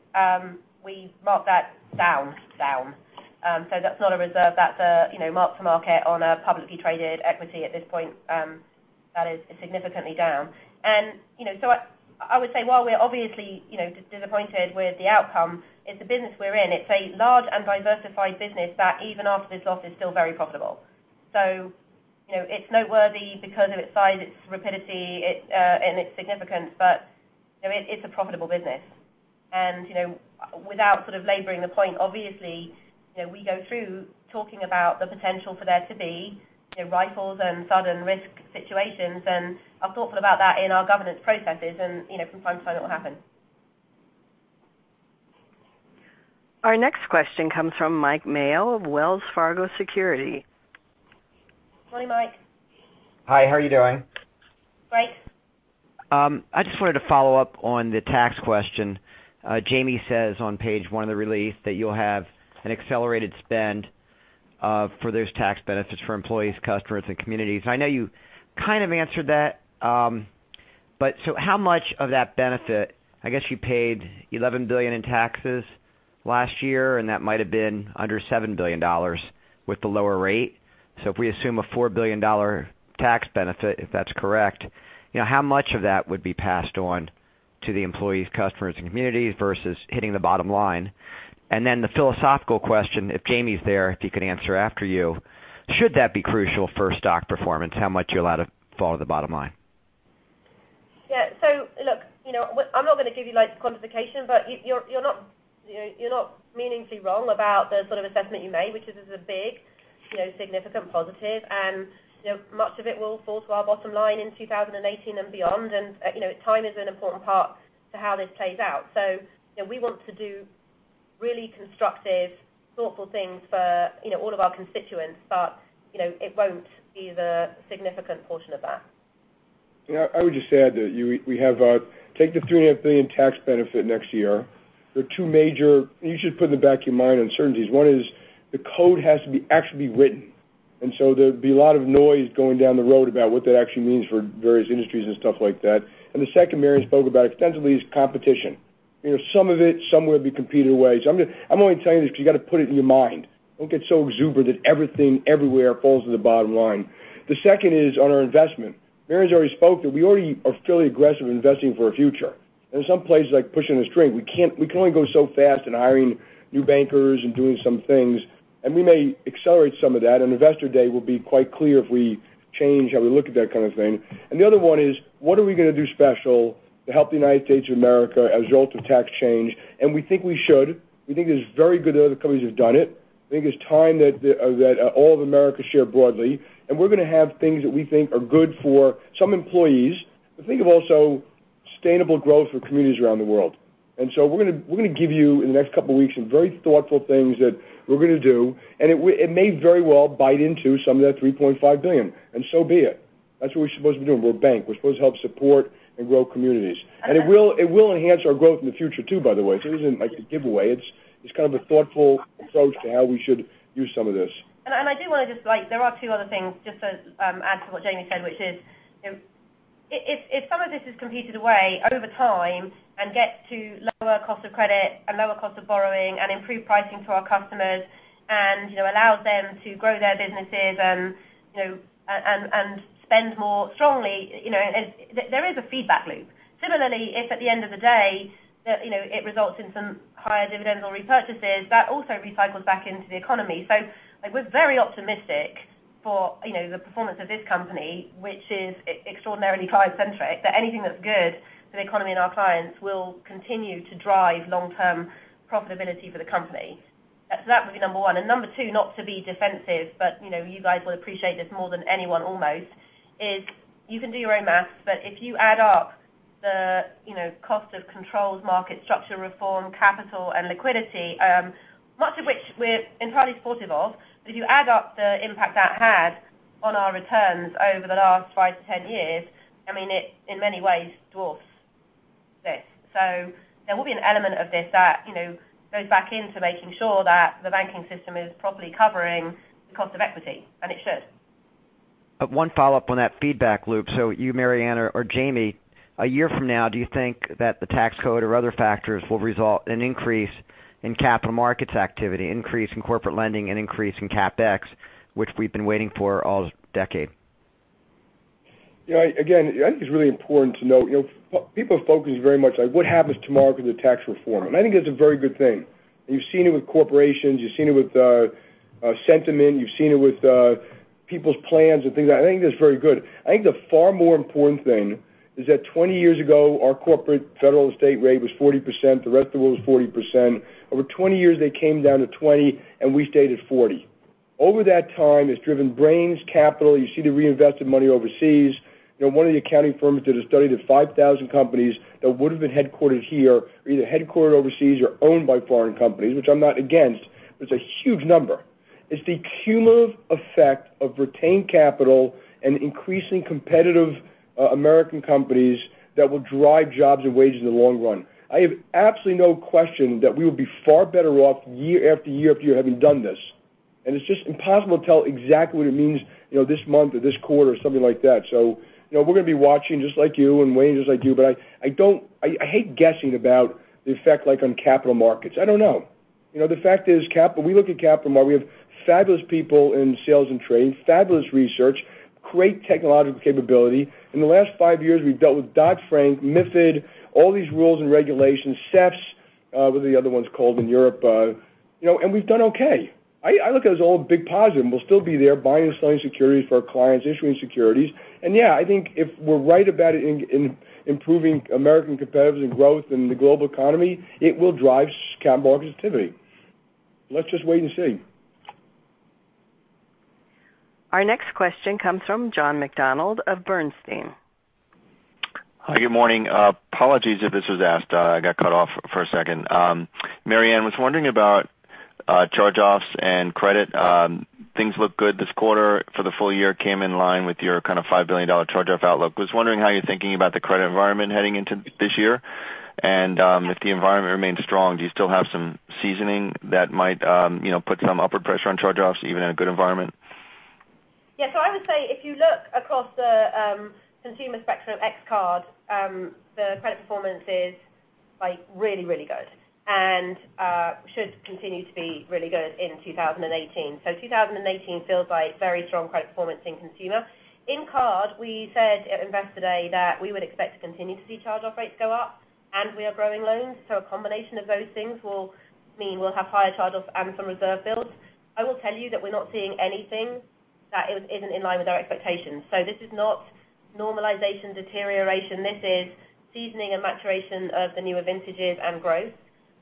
we mark that down. That's not a reserve, that's a mark to market on a publicly traded equity at this point that is significantly down. I would say while we're obviously disappointed with the outcome, it's the business we're in. It's a large and diversified business that even after this loss is still very profitable. It's noteworthy because of its size, its rapidity, and its significance. It's a profitable business. Without sort of laboring the point, obviously, we go through talking about the potential for there to be rifles and sudden risk situations, and are thoughtful about that in our governance processes and from time to time it will happen. Our next question comes from Mike Mayo of Wells Fargo Securities. Morning, Mike. Hi, how are you doing? Great. I just wanted to follow up on the tax question. Jamie says on page one of the release that you'll have an accelerated spend for those tax benefits for employees, customers, and communities. I know you kind of answered that. How much of that benefit, I guess you paid $11 billion in taxes last year, and that might have been under $7 billion with the lower rate. If we assume a $4 billion tax benefit, if that's correct, how much of that would be passed on to the employees, customers, and communities versus hitting the bottom line? The philosophical question, if Jamie's there, if you could answer after you, should that be crucial for stock performance? How much are you allowed to fall to the bottom line? Yeah. Look, I'm not going to give you like quantification, you're not meaningfully wrong about the sort of assessment you made, which is a big significant positive. Much of it will fall to our bottom line in 2018 and beyond. Time is an important part to how this plays out. We want to do really constructive, thoughtful things for all of our constituents. It won't be the significant portion of that. Yeah, I would just add that take the $3.5 billion tax benefit next year. There are two major, you should put in the back of your mind, uncertainties. One is the code has to be actually written. There'd be a lot of noise going down the road about what that actually means for various industries and stuff like that. The second Mary spoke about extensively is competition. Some will be competed away. I'm only telling you this because you got to put it in your mind. Don't get so exuberant that everything everywhere falls to the bottom line. The second is on our investment. Mary's already spoken. We already are fairly aggressive in investing for our future. In some places like pushing a string, we can only go so fast in hiring new bankers and doing some things, and we may accelerate some of that. On Investor Day, we'll be quite clear if we change how we look at that kind of thing. The other one is, what are we going to do special to help the United States of America as a result of tax change? We think we should. We think it's very good that other companies have done it. We think it's time that all of America share broadly, and we're going to have things that we think are good for some employees. Think of also sustainable growth for communities around the world. We're going to give you, in the next couple of weeks, some very thoughtful things that we're going to do, it may very well bite into some of that $3.5 billion, be it. That's what we're supposed to be doing. We're a bank. We're supposed to help support and grow communities. It will enhance our growth in the future too, by the way. It isn't like a giveaway. It's kind of a thoughtful approach to how we should use some of this. I do want to, there are two other things just to add to what Jamie said, which is if some of this is competed away over time and gets to lower cost of credit and lower cost of borrowing and improved pricing to our customers and allows them to grow their businesses and spend more strongly, there is a feedback loop. Similarly, if at the end of the day it results in some higher dividends or repurchases, that also recycles back into the economy. We're very optimistic for the performance of this company, which is extraordinarily client-centric, that anything that's good for the economy and our clients will continue to drive long-term profitability for the company. That would be number one. Number two, not to be defensive, but you guys will appreciate this more than anyone almost, is you can do your own math, if you add up the cost of controls, market structure reform, capital, and liquidity, much of which we're entirely supportive of. If you add up the impact that had on our returns over the last 5 to 10 years, I mean, it in many ways dwarfs this. There will be an element of this that goes back into making sure that the banking system is properly covering the cost of equity, and it should. One follow-up on that feedback loop. You, Marianne, or Jamie, a year from now, do you think that the tax code or other factors will result in increase in capital markets activity, increase in corporate lending, and increase in CapEx, which we've been waiting for all this decade? Again, I think it's really important to note, people focus very much on what happens to markets with tax reform. I think that's a very good thing. You've seen it with corporations, you've seen it with sentiment, you've seen it with people's plans and things. I think that's very good. I think the far more important thing is that 20 years ago, our corporate federal, and state rate was 40%, the rest of world was 40%. Over 20 years, they came down to 20, and we stayed at 40. Over that time, it's driven brains, capital. You see the reinvested money overseas. One of the accounting firms did a study that 5,000 companies that would've been headquartered here are either headquartered overseas or owned by foreign companies, which I'm not against, but it's a huge number. It's the cumulative effect of retained capital and increasing competitive American companies that will drive jobs and wages in the long run. I have absolutely no question that we would be far better off year after year after year, having done this. It's just impossible to tell exactly what it means this month or this quarter or something like that. We're going to be watching just like you and waiting just like you, but I hate guessing about the effect like on capital markets. I don't know. The fact is, we look at capital market, we have fabulous people in sales and trading, fabulous research, great technological capability. In the last five years, we've dealt with Dodd-Frank, MiFID, all these rules and regulations, CEFs, whatever the other one's called in Europe, and we've done okay. I look at it as all big positive, we'll still be there buying and selling securities for our clients, issuing securities. Yeah, I think if we're right about it improving American competitiveness and growth in the global economy, it will drive capital markets activity. Let's just wait and see. Our next question comes from John McDonald of Bernstein. Hi, good morning. Apologies if this was asked. I got cut off for a second. Marianne, was wondering about charge-offs and credit. Things look good this quarter. For the full year, came in line with your kind of $5 billion charge-off outlook. Was wondering how you're thinking about the credit environment heading into this year, and if the environment remains strong, do you still have some seasoning that might put some upward pressure on charge-offs even in a good environment? I would say if you look across the consumer spectrum ex card, the credit performance is really, really good and should continue to be really good in 2018. 2018 feels like very strong credit performance in consumer. In card, we said at Investor Day that we would expect to continue to see charge-off rates go up, and we are growing loans. A combination of those things will mean we'll have higher charge-offs and some reserve builds. I will tell you that we're not seeing anything that isn't in line with our expectations. This is not normalization deterioration. This is seasoning and maturation of the newer vintages and growth.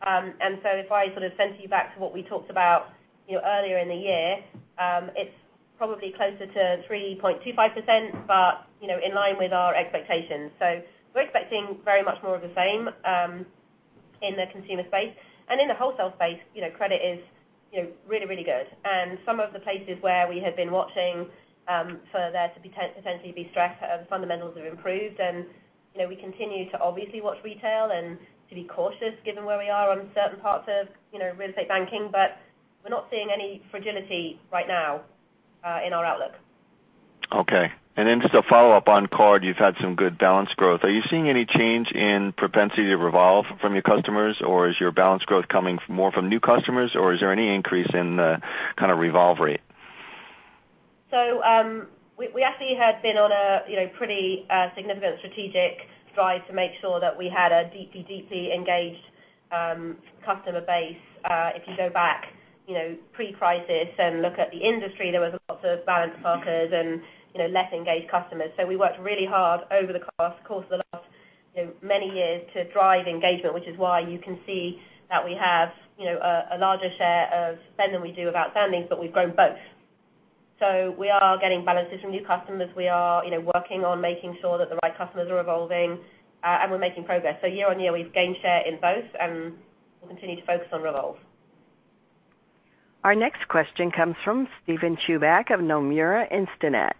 If I sort of sent you back to what we talked about earlier in the year, it's probably closer to 3.25%, but in line with our expectations. We're expecting very much more of the same in the consumer space. In the wholesale space, credit is really good. Some of the places where we had been watching for there to potentially be stress, fundamentals have improved. We continue to obviously watch retail and to be cautious given where we are on certain parts of real estate banking. We're not seeing any fragility right now in our outlook. Just a follow-up on card, you've had some good balance growth. Are you seeing any change in propensity to revolve from your customers? Is your balance growth coming more from new customers? Is there any increase in the kind of revolve rate? We actually had been on a pretty significant strategic drive to make sure that we had a deeply engaged customer base. If you go back pre-crisis and look at the industry, there was lots of balance parkers and less engaged customers. We worked really hard over the course of the last many years to drive engagement, which is why you can see that we have a larger share of spend than we do of outstandings, but we've grown both. We are getting balances from new customers. We are working on making sure that the right customers are revolving, and we're making progress. Year on year, we've gained share in both, and we'll continue to focus on revolve. Our next question comes from Steven Chubak of Nomura Instinet.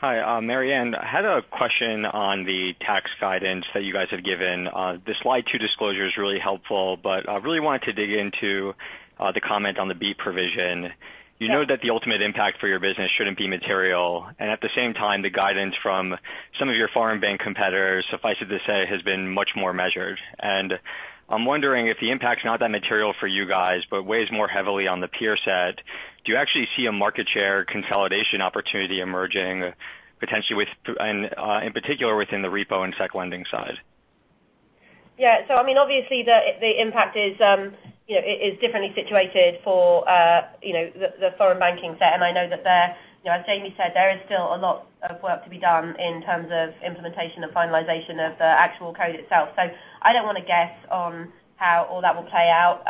Hi, Marianne. I had a question on the tax guidance that you guys have given. The slide two disclosure is really helpful, but I really wanted to dig into the comment on the BEAT provision. You know that the ultimate impact for your business shouldn't be material. At the same time, the guidance from some of your foreign bank competitors, suffice it to say, has been much more measured. I'm wondering if the impact's not that material for you guys, but weighs more heavily on the peer set. Do you actually see a market share consolidation opportunity emerging potentially in particular within the repo and SEC lending side? Yeah. I mean, obviously the impact is differently situated for the foreign banking set. I know that there, as Jamie said, there is still a lot of work to be done in terms of implementation and finalization of the actual code itself. I don't want to guess on how all that will play out.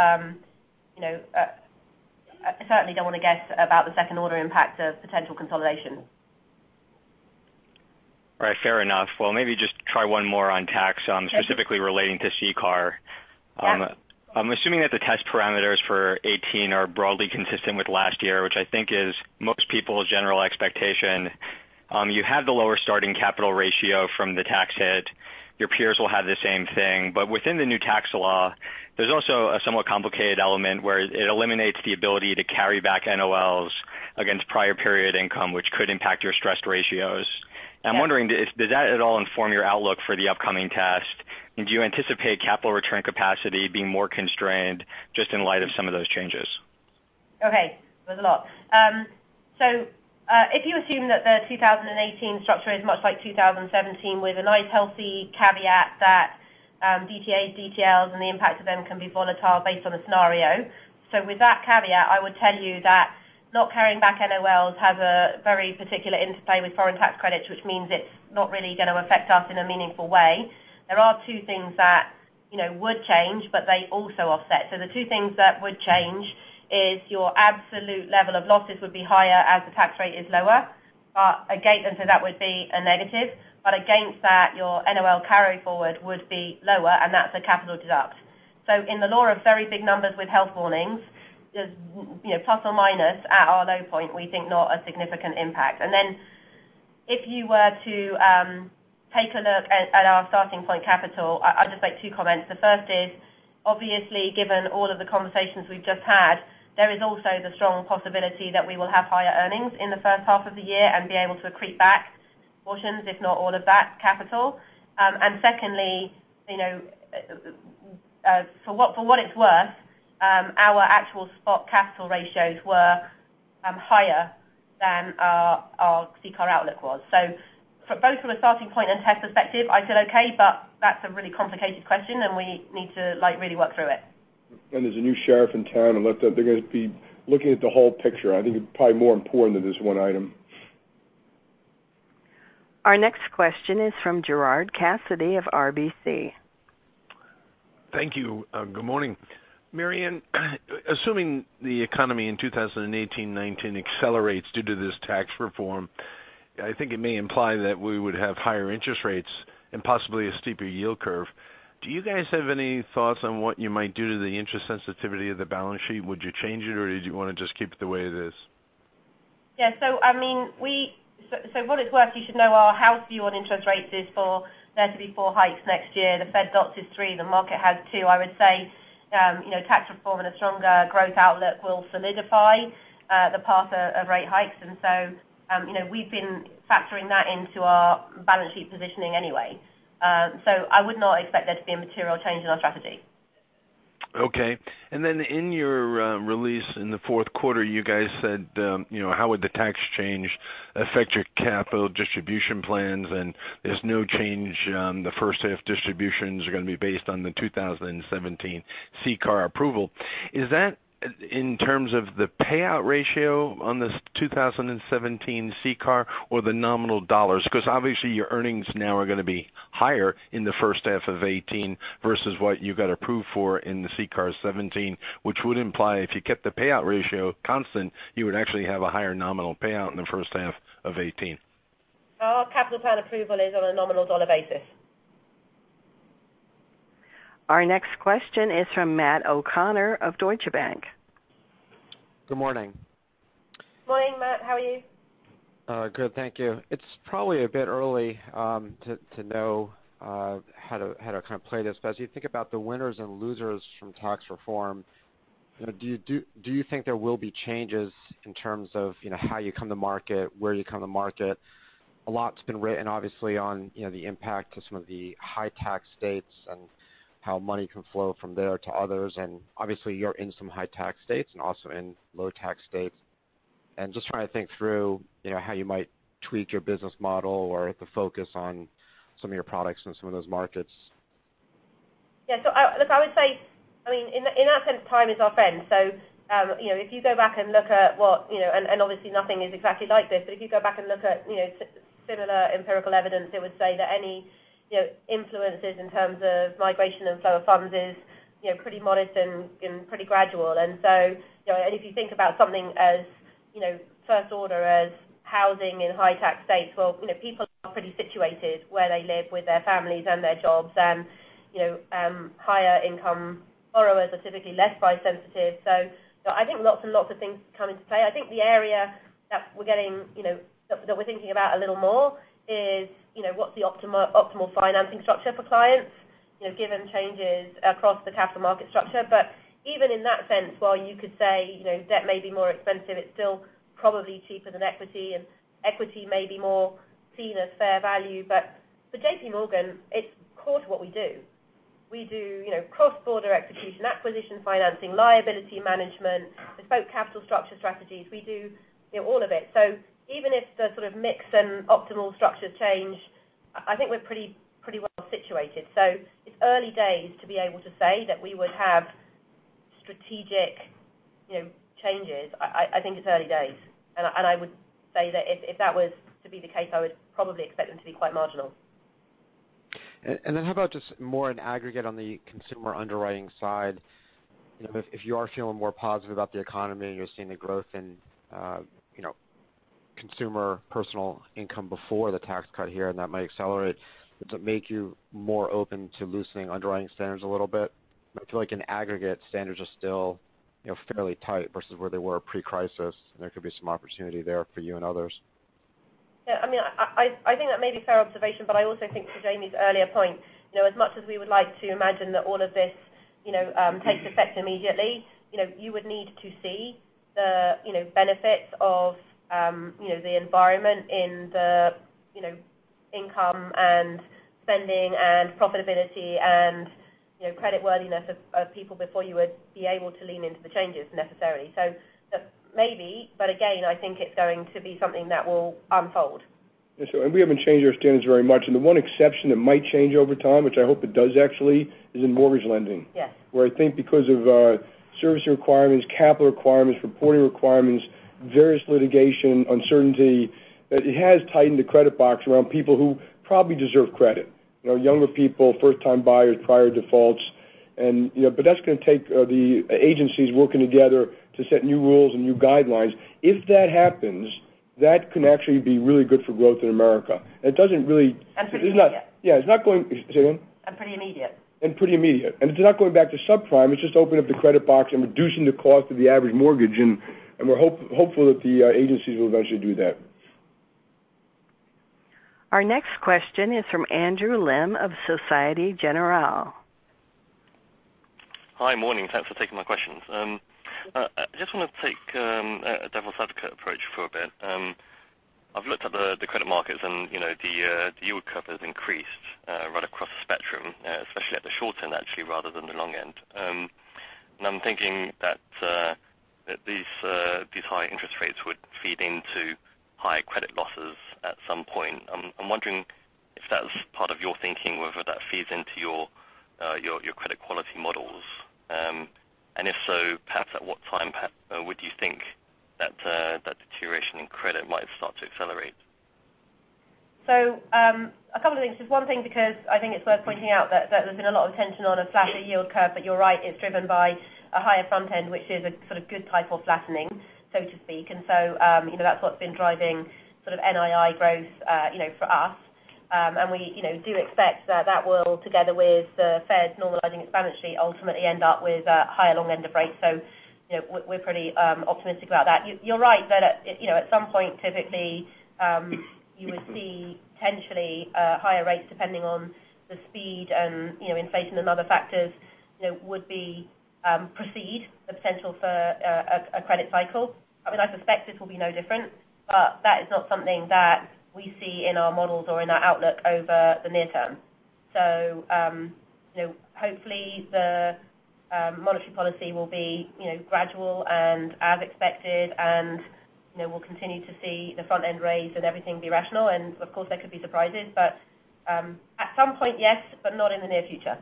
I certainly don't want to guess about the second-order impact of potential consolidation. Right. Fair enough. Well, maybe just try one more on tax- Okay specifically relating to CCAR. Sure. I'm assuming that the test parameters for 2018 are broadly consistent with last year, which I think is most people's general expectation. You have the lower starting capital ratio from the tax hit. Your peers will have the same thing. Within the new tax law, there's also a somewhat complicated element where it eliminates the ability to carry back NOLs against prior period income, which could impact your stressed ratios. Yeah. I'm wondering, does that at all inform your outlook for the upcoming test? Do you anticipate capital return capacity being more constrained just in light of some of those changes? Okay. There's a lot. If you assume that the 2018 structure is much like 2017 with a nice healthy caveat that DTAs, DTLs, and the impact of them can be volatile based on the scenario. With that caveat, I would tell you that not carrying back NOLs has a very particular interplay with foreign tax credits, which means it's not really going to affect us in a meaningful way. There are two things that would change, but they also offset. The two things that would change is your absolute level of losses would be higher as the tax rate is lower. That would be a negative. Against that, your NOL carry-forward would be lower, and that's a capital deduct. In the lore of very big numbers with health warnings, there's plus or minus at our low point, we think not a significant impact. If you were to take a look at our starting point capital, I'd just make two comments. The first is, obviously, given all of the conversations we've just had, there is also the strong possibility that we will have higher earnings in the first half of the year and be able to accrete back portions, if not all of that capital. Secondly, for what it's worth, our actual spot capital ratios were higher than our CCAR outlook was. Both from a starting point and test perspective, I feel okay, but that's a really complicated question, and we need to really work through it. There's a new sheriff in town, and they're going to be looking at the whole picture. I think it's probably more important than this one item. Our next question is from Gerard Cassidy of RBC. Thank you. Good morning. Marianne, assuming the economy in 2018, 2019 accelerates due to this tax reform, I think it may imply that we would have higher interest rates and possibly a steeper yield curve. Do you guys have any thoughts on what you might do to the interest sensitivity of the balance sheet? Would you change it, or do you want to just keep it the way it is? Yeah, for what it's worth, you should know our house view on interest rates is for there to be 4 hikes next year. The Fed dot is three, the market has two. I would say Tax reform and a stronger growth outlook will solidify the path of rate hikes. We've been factoring that into our balance sheet positioning anyway. I would not expect there to be a material change in our strategy. Okay. In your release in the fourth quarter, you guys said how would the tax change affect your capital distribution plans, and there's no change. The first half distributions are going to be based on the 2017 CCAR approval. Is that in terms of the payout ratio on the- 2017 CCAR or the nominal USD? Because obviously your earnings now are going to be higher in the first half of 2018 versus what you got approved for in the CCAR 2017, which would imply if you kept the payout ratio constant, you would actually have a higher nominal payout in the first half of 2018. Our capital plan approval is on a nominal USD basis. Our next question is from Matt O'Connor of Deutsche Bank. Good morning. Morning, Matt. How are you? Good, thank you. It's probably a bit early to know how to kind of play this. As you think about the winners and losers from tax reform, do you think there will be changes in terms of how you come to market, where you come to market? A lot's been written, obviously, on the impact to some of the high tax states and how money can flow from there to others. Obviously you're in some high tax states and also in low tax states. Just trying to think through how you might tweak your business model or the focus on some of your products in some of those markets. Yeah. Look, I would say, in that sense, time is our friend. If you go back and look at what, and obviously nothing is exactly like this, but if you go back and look at similar empirical evidence, it would say that any influences in terms of migration and flow of funds is pretty modest and pretty gradual. If you think about something as first order as housing in high tax states, well, people are pretty situated where they live with their families and their jobs. Higher income borrowers are typically less price sensitive. I think lots and lots of things come into play. I think the area that we're thinking about a little more is what's the optimal financing structure for clients, given changes across the capital market structure. Even in that sense, while you could say, debt may be more expensive, it's still probably cheaper than equity. Equity may be more seen as fair value. For JPMorgan, it's core to what we do. We do cross-border execution, acquisition financing, liability management, bespoke capital structure strategies. We do all of it. Even if the sort of mix and optimal structures change, I think we're pretty well situated. It's early days to be able to say that we would have strategic changes. I think it's early days. I would say that if that was to be the case, I would probably expect them to be quite marginal. How about just more in aggregate on the consumer underwriting side? If you are feeling more positive about the economy and you're seeing the growth in consumer personal income before the tax cut here, and that might accelerate, does it make you more open to loosening underwriting standards a little bit? I feel like in aggregate standards are still fairly tight versus where they were pre-crisis, and there could be some opportunity there for you and others. Yeah. I think that may be a fair observation, I also think to Jamie's earlier point, as much as we would like to imagine that all of this takes effect immediately, you would need to see the benefits of the environment in the income and spending and profitability and credit worthiness of people before you would be able to lean into the changes necessarily. Maybe, but again, I think it's going to be something that will unfold. We haven't changed our standards very much. The one exception that might change over time, which I hope it does actually, is in mortgage lending. Yes. Where I think because of servicing requirements, capital requirements, reporting requirements, various litigation uncertainty, that it has tightened the credit box around people who probably deserve credit. Younger people, first-time buyers, prior defaults. That's going to take the agencies working together to set new rules and new guidelines. If that happens, that can actually be really good for growth in America. Pretty immediate. Yeah. Say again? Pretty immediate. Pretty immediate. It's not going back to subprime. It's just opening up the credit box and reducing the cost of the average mortgage, and we're hopeful that the agencies will eventually do that. Our next question is from Andrew Lim of Société Générale. Hi. Morning. Thanks for taking my questions. I just want to take a devil's advocate approach for a bit. I've looked at the credit markets and the yield curve has increased right across the spectrum, especially at the short end, actually, rather than the long end. I'm thinking that these high interest rates would feed into high credit losses at some point. I'm wondering if that's part of your thinking, whether that feeds into your credit quality models. If so, perhaps at what time would you think that deterioration in credit might start to accelerate? A couple of things. Just one thing, because I think it's worth pointing out that there's been a lot of tension on a flatter yield curve. You're right, it's driven by a higher front end, which is a sort of good type of flattening, so to speak. That's what's been driving sort of NII growth for us. We do expect that that will, together with the Fed normalizing its balance sheet, ultimately end up with higher long end of rates. We're pretty optimistic about that. You're right that at some point, typically, you would see potentially higher rates depending on the speed and inflation and other factors would proceed the potential for a credit cycle. I suspect this will be no different. That is not something that we see in our models or in our outlook over the near term. Hopefully the monetary policy will be gradual and as expected. We'll continue to see the front-end raise and everything be rational. There could be surprises. At some point, yes, not in the near future.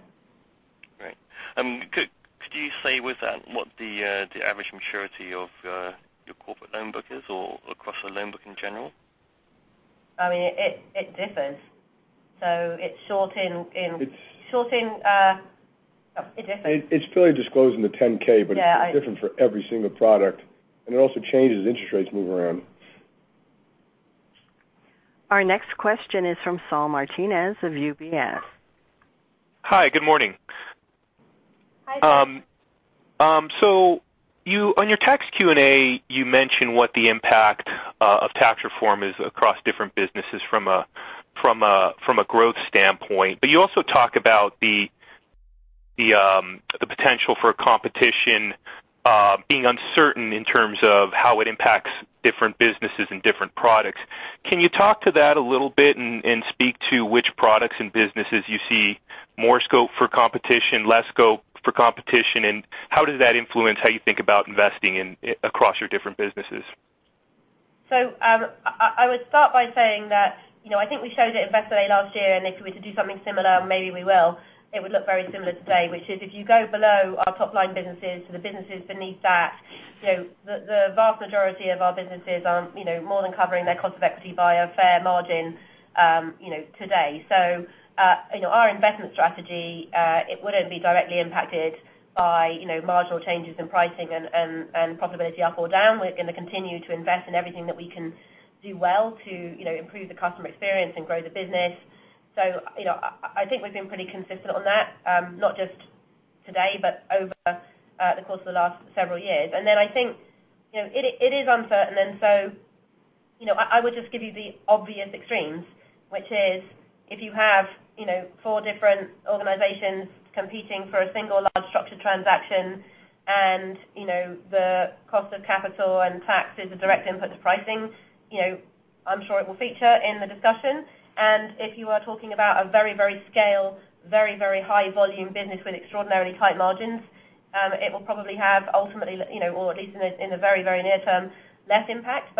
Could you say with that what the average maturity of your corporate loan book is or across the loan book in general? I mean, it differs. It's fully disclosed in the 10-K. Yeah It's different for every single product, and it also changes as interest rates move around. Our next question is from Saul Martinez of UBS. Hi, good morning. Hi there. On your Tax Q&A, you mention what the impact of tax reform is across different businesses from a growth standpoint. You also talk about the potential for competition being uncertain in terms of how it impacts different businesses and different products. Can you talk to that a little bit and speak to which products and businesses you see more scope for competition, less scope for competition, and how does that influence how you think about investing across your different businesses? I would start by saying that I think we showed at Investor Day last year, and if we were to do something similar, maybe we will, it would look very similar today, which is if you go below our top-line businesses to the businesses beneath that, the vast majority of our businesses are more than covering their cost of equity by a fair margin today. Our investment strategy it wouldn't be directly impacted by marginal changes in pricing and profitability up or down. We're going to continue to invest in everything that we can do well to improve the customer experience and grow the business. I think we've been pretty consistent on that, not just today, but over the course of the last several years. I think it is uncertain. I would just give you the obvious extremes, which is if you have four different organizations competing for a single large structured transaction and the cost of capital and tax is a direct input to pricing, I'm sure it will feature in the discussion. If you are talking about a very scaled, very high-volume business with extraordinarily tight margins, it will probably have ultimately or at least in the very near term, less impact.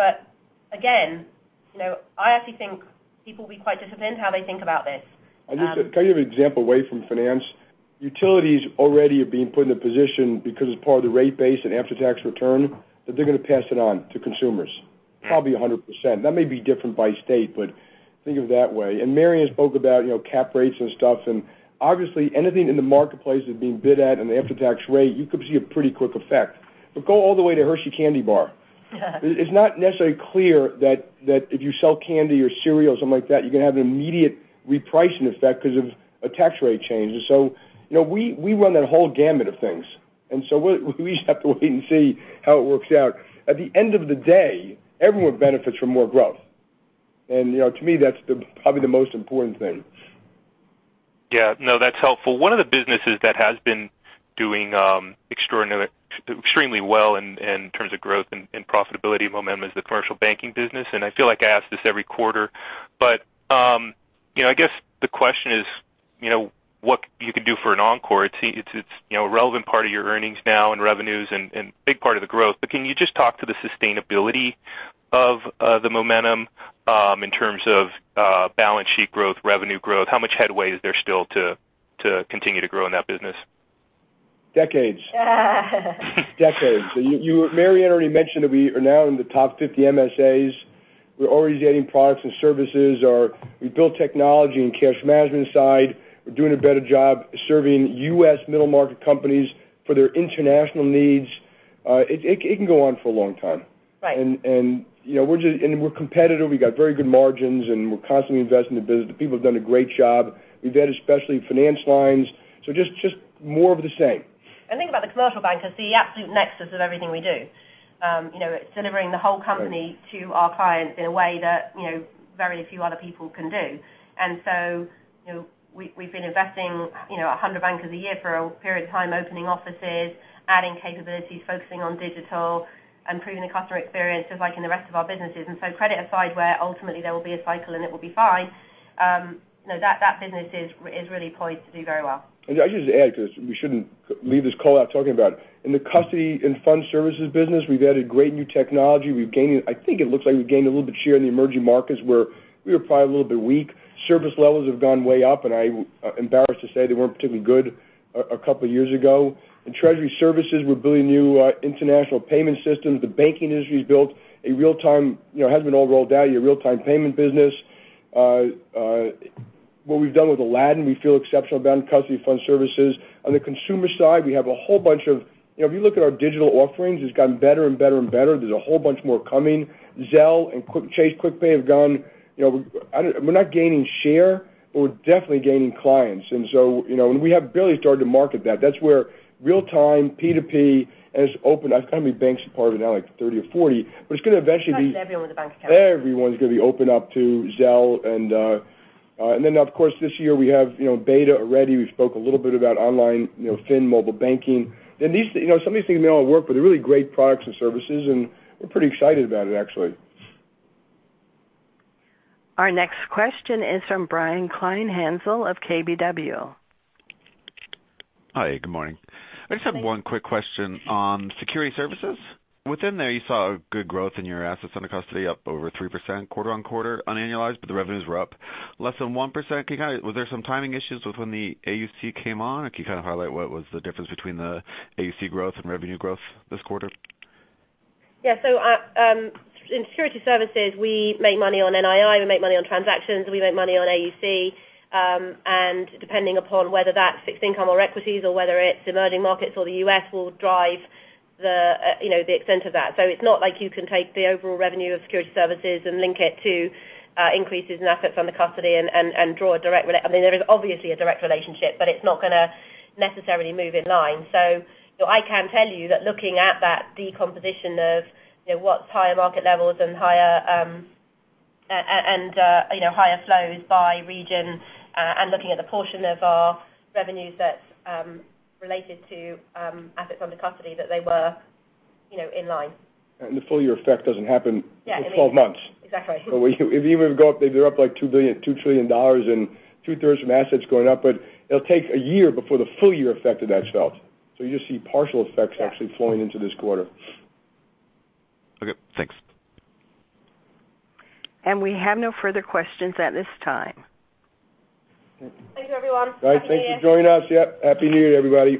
Again, I actually think people will be quite disciplined how they think about this. I'll just give you an example away from finance. Utilities already are being put in a position because it's part of the rate base and after-tax return, that they're going to pass it on to consumers, probably 100%. That may be different by state, but think of it that way. Marianne spoke about cap rates and stuff, and obviously anything in the marketplace that's being bid at an after-tax rate, you could see a pretty quick effect. Go all the way to Hershey candy bar. It's not necessarily clear that if you sell candy or cereal or something like that, you're going to have an immediate repricing effect because of a tax rate change. We run that whole gamut of things. We just have to wait and see how it works out. At the end of the day, everyone benefits from more growth. To me, that's probably the most important thing. Yeah. No, that's helpful. One of the businesses that has been doing extremely well in terms of growth and profitability momentum is the Commercial Banking business. I feel like I ask this every quarter, but I guess the question is what you can do for an encore. It's a relevant part of your earnings now and revenues and a big part of the growth. Can you just talk to the sustainability of the momentum in terms of balance sheet growth, revenue growth? How much headway is there still to continue to grow in that business? Decades. Decades. Marianne already mentioned that we are now in the top 50 MSAs. We're originative products and services. We built technology in the cash management side. We're doing a better job serving U.S. middle-market companies for their international needs. It can go on for a long time. Right. We're competitive. We got very good margins, and we're constantly investing in the business. The people have done a great job. We've added, especially finance lines. Just more of the same. Think about the commercial bank as the absolute nexus of everything we do. It's delivering the whole company- Right to our clients in a way that very few other people can do. We've been investing 100 bankers a year for a period of time, opening offices, adding capabilities, focusing on digital, improving the customer experience, just like in the rest of our businesses. Credit aside, where ultimately there will be a cycle and it will be fine, that business is really poised to do very well. I'll just add because we shouldn't leave this call out talking about it. In the custody and fund services business, we've added great new technology. I think it looks like we've gained a little bit share in the emerging markets where we were probably a little bit weak. Service levels have gone way up, and I'm embarrassed to say they weren't particularly good a couple of years ago. In Treasury Services, we're building new international payment systems. The banking industry has built, it hasn't been all rolled out yet, a real-time payment business. What we've done with Aladdin, we feel exceptional about in custody fund services. On the consumer side, if you look at our digital offerings, it's gotten better and better. There's a whole bunch more coming. Zelle and Chase QuickPay have gone. We're not gaining share, but we're definitely gaining clients. We have barely started to market that. That's where real time, P2P has opened up. How many banks are part of it now? Like 30 or 40. It's going to eventually be- Pretty much everyone with a bank account. Everyone's going to be opened up to Zelle. Then, of course, this year we have beta already. We spoke a little bit about online Finn mobile banking. Some of these things may all work, but they're really great products and services, and we're pretty excited about it, actually. Our next question is from Brian Kleinhanzl of KBW. Hi, good morning. Hi. I just have one quick question on security services. Within there, you saw good growth in your assets under custody up over 3% quarter-on-quarter unannualized, but the revenues were up less than 1%. Was there some timing issues with when the AUC came on? Can you kind of highlight what was the difference between the AUC growth and revenue growth this quarter? Yeah. In security services, we make money on NII, we make money on transactions, we make money on AUC. Depending upon whether that's fixed income or equities or whether it's emerging markets or the U.S. will drive the extent of that. It's not like you can take the overall revenue of security services and link it to increases in assets under custody. I mean, there is obviously a direct relationship, but it's not going to necessarily move in line. I can tell you that looking at that decomposition of what's higher market levels and higher flows by region, and looking at the portion of our revenues that's related to assets under custody, that they were in line. The full-year effect doesn't happen for 12 months. Yeah. Exactly. Even if they're up like $2 trillion and two-thirds from assets going up, but it'll take a year before the full-year effect of that is felt. You just see partial effects actually flowing into this quarter. Okay, thanks. We have no further questions at this time. Thank you, everyone. Happy New Year. All right, thank you for joining us. Yep, happy New Year, everybody.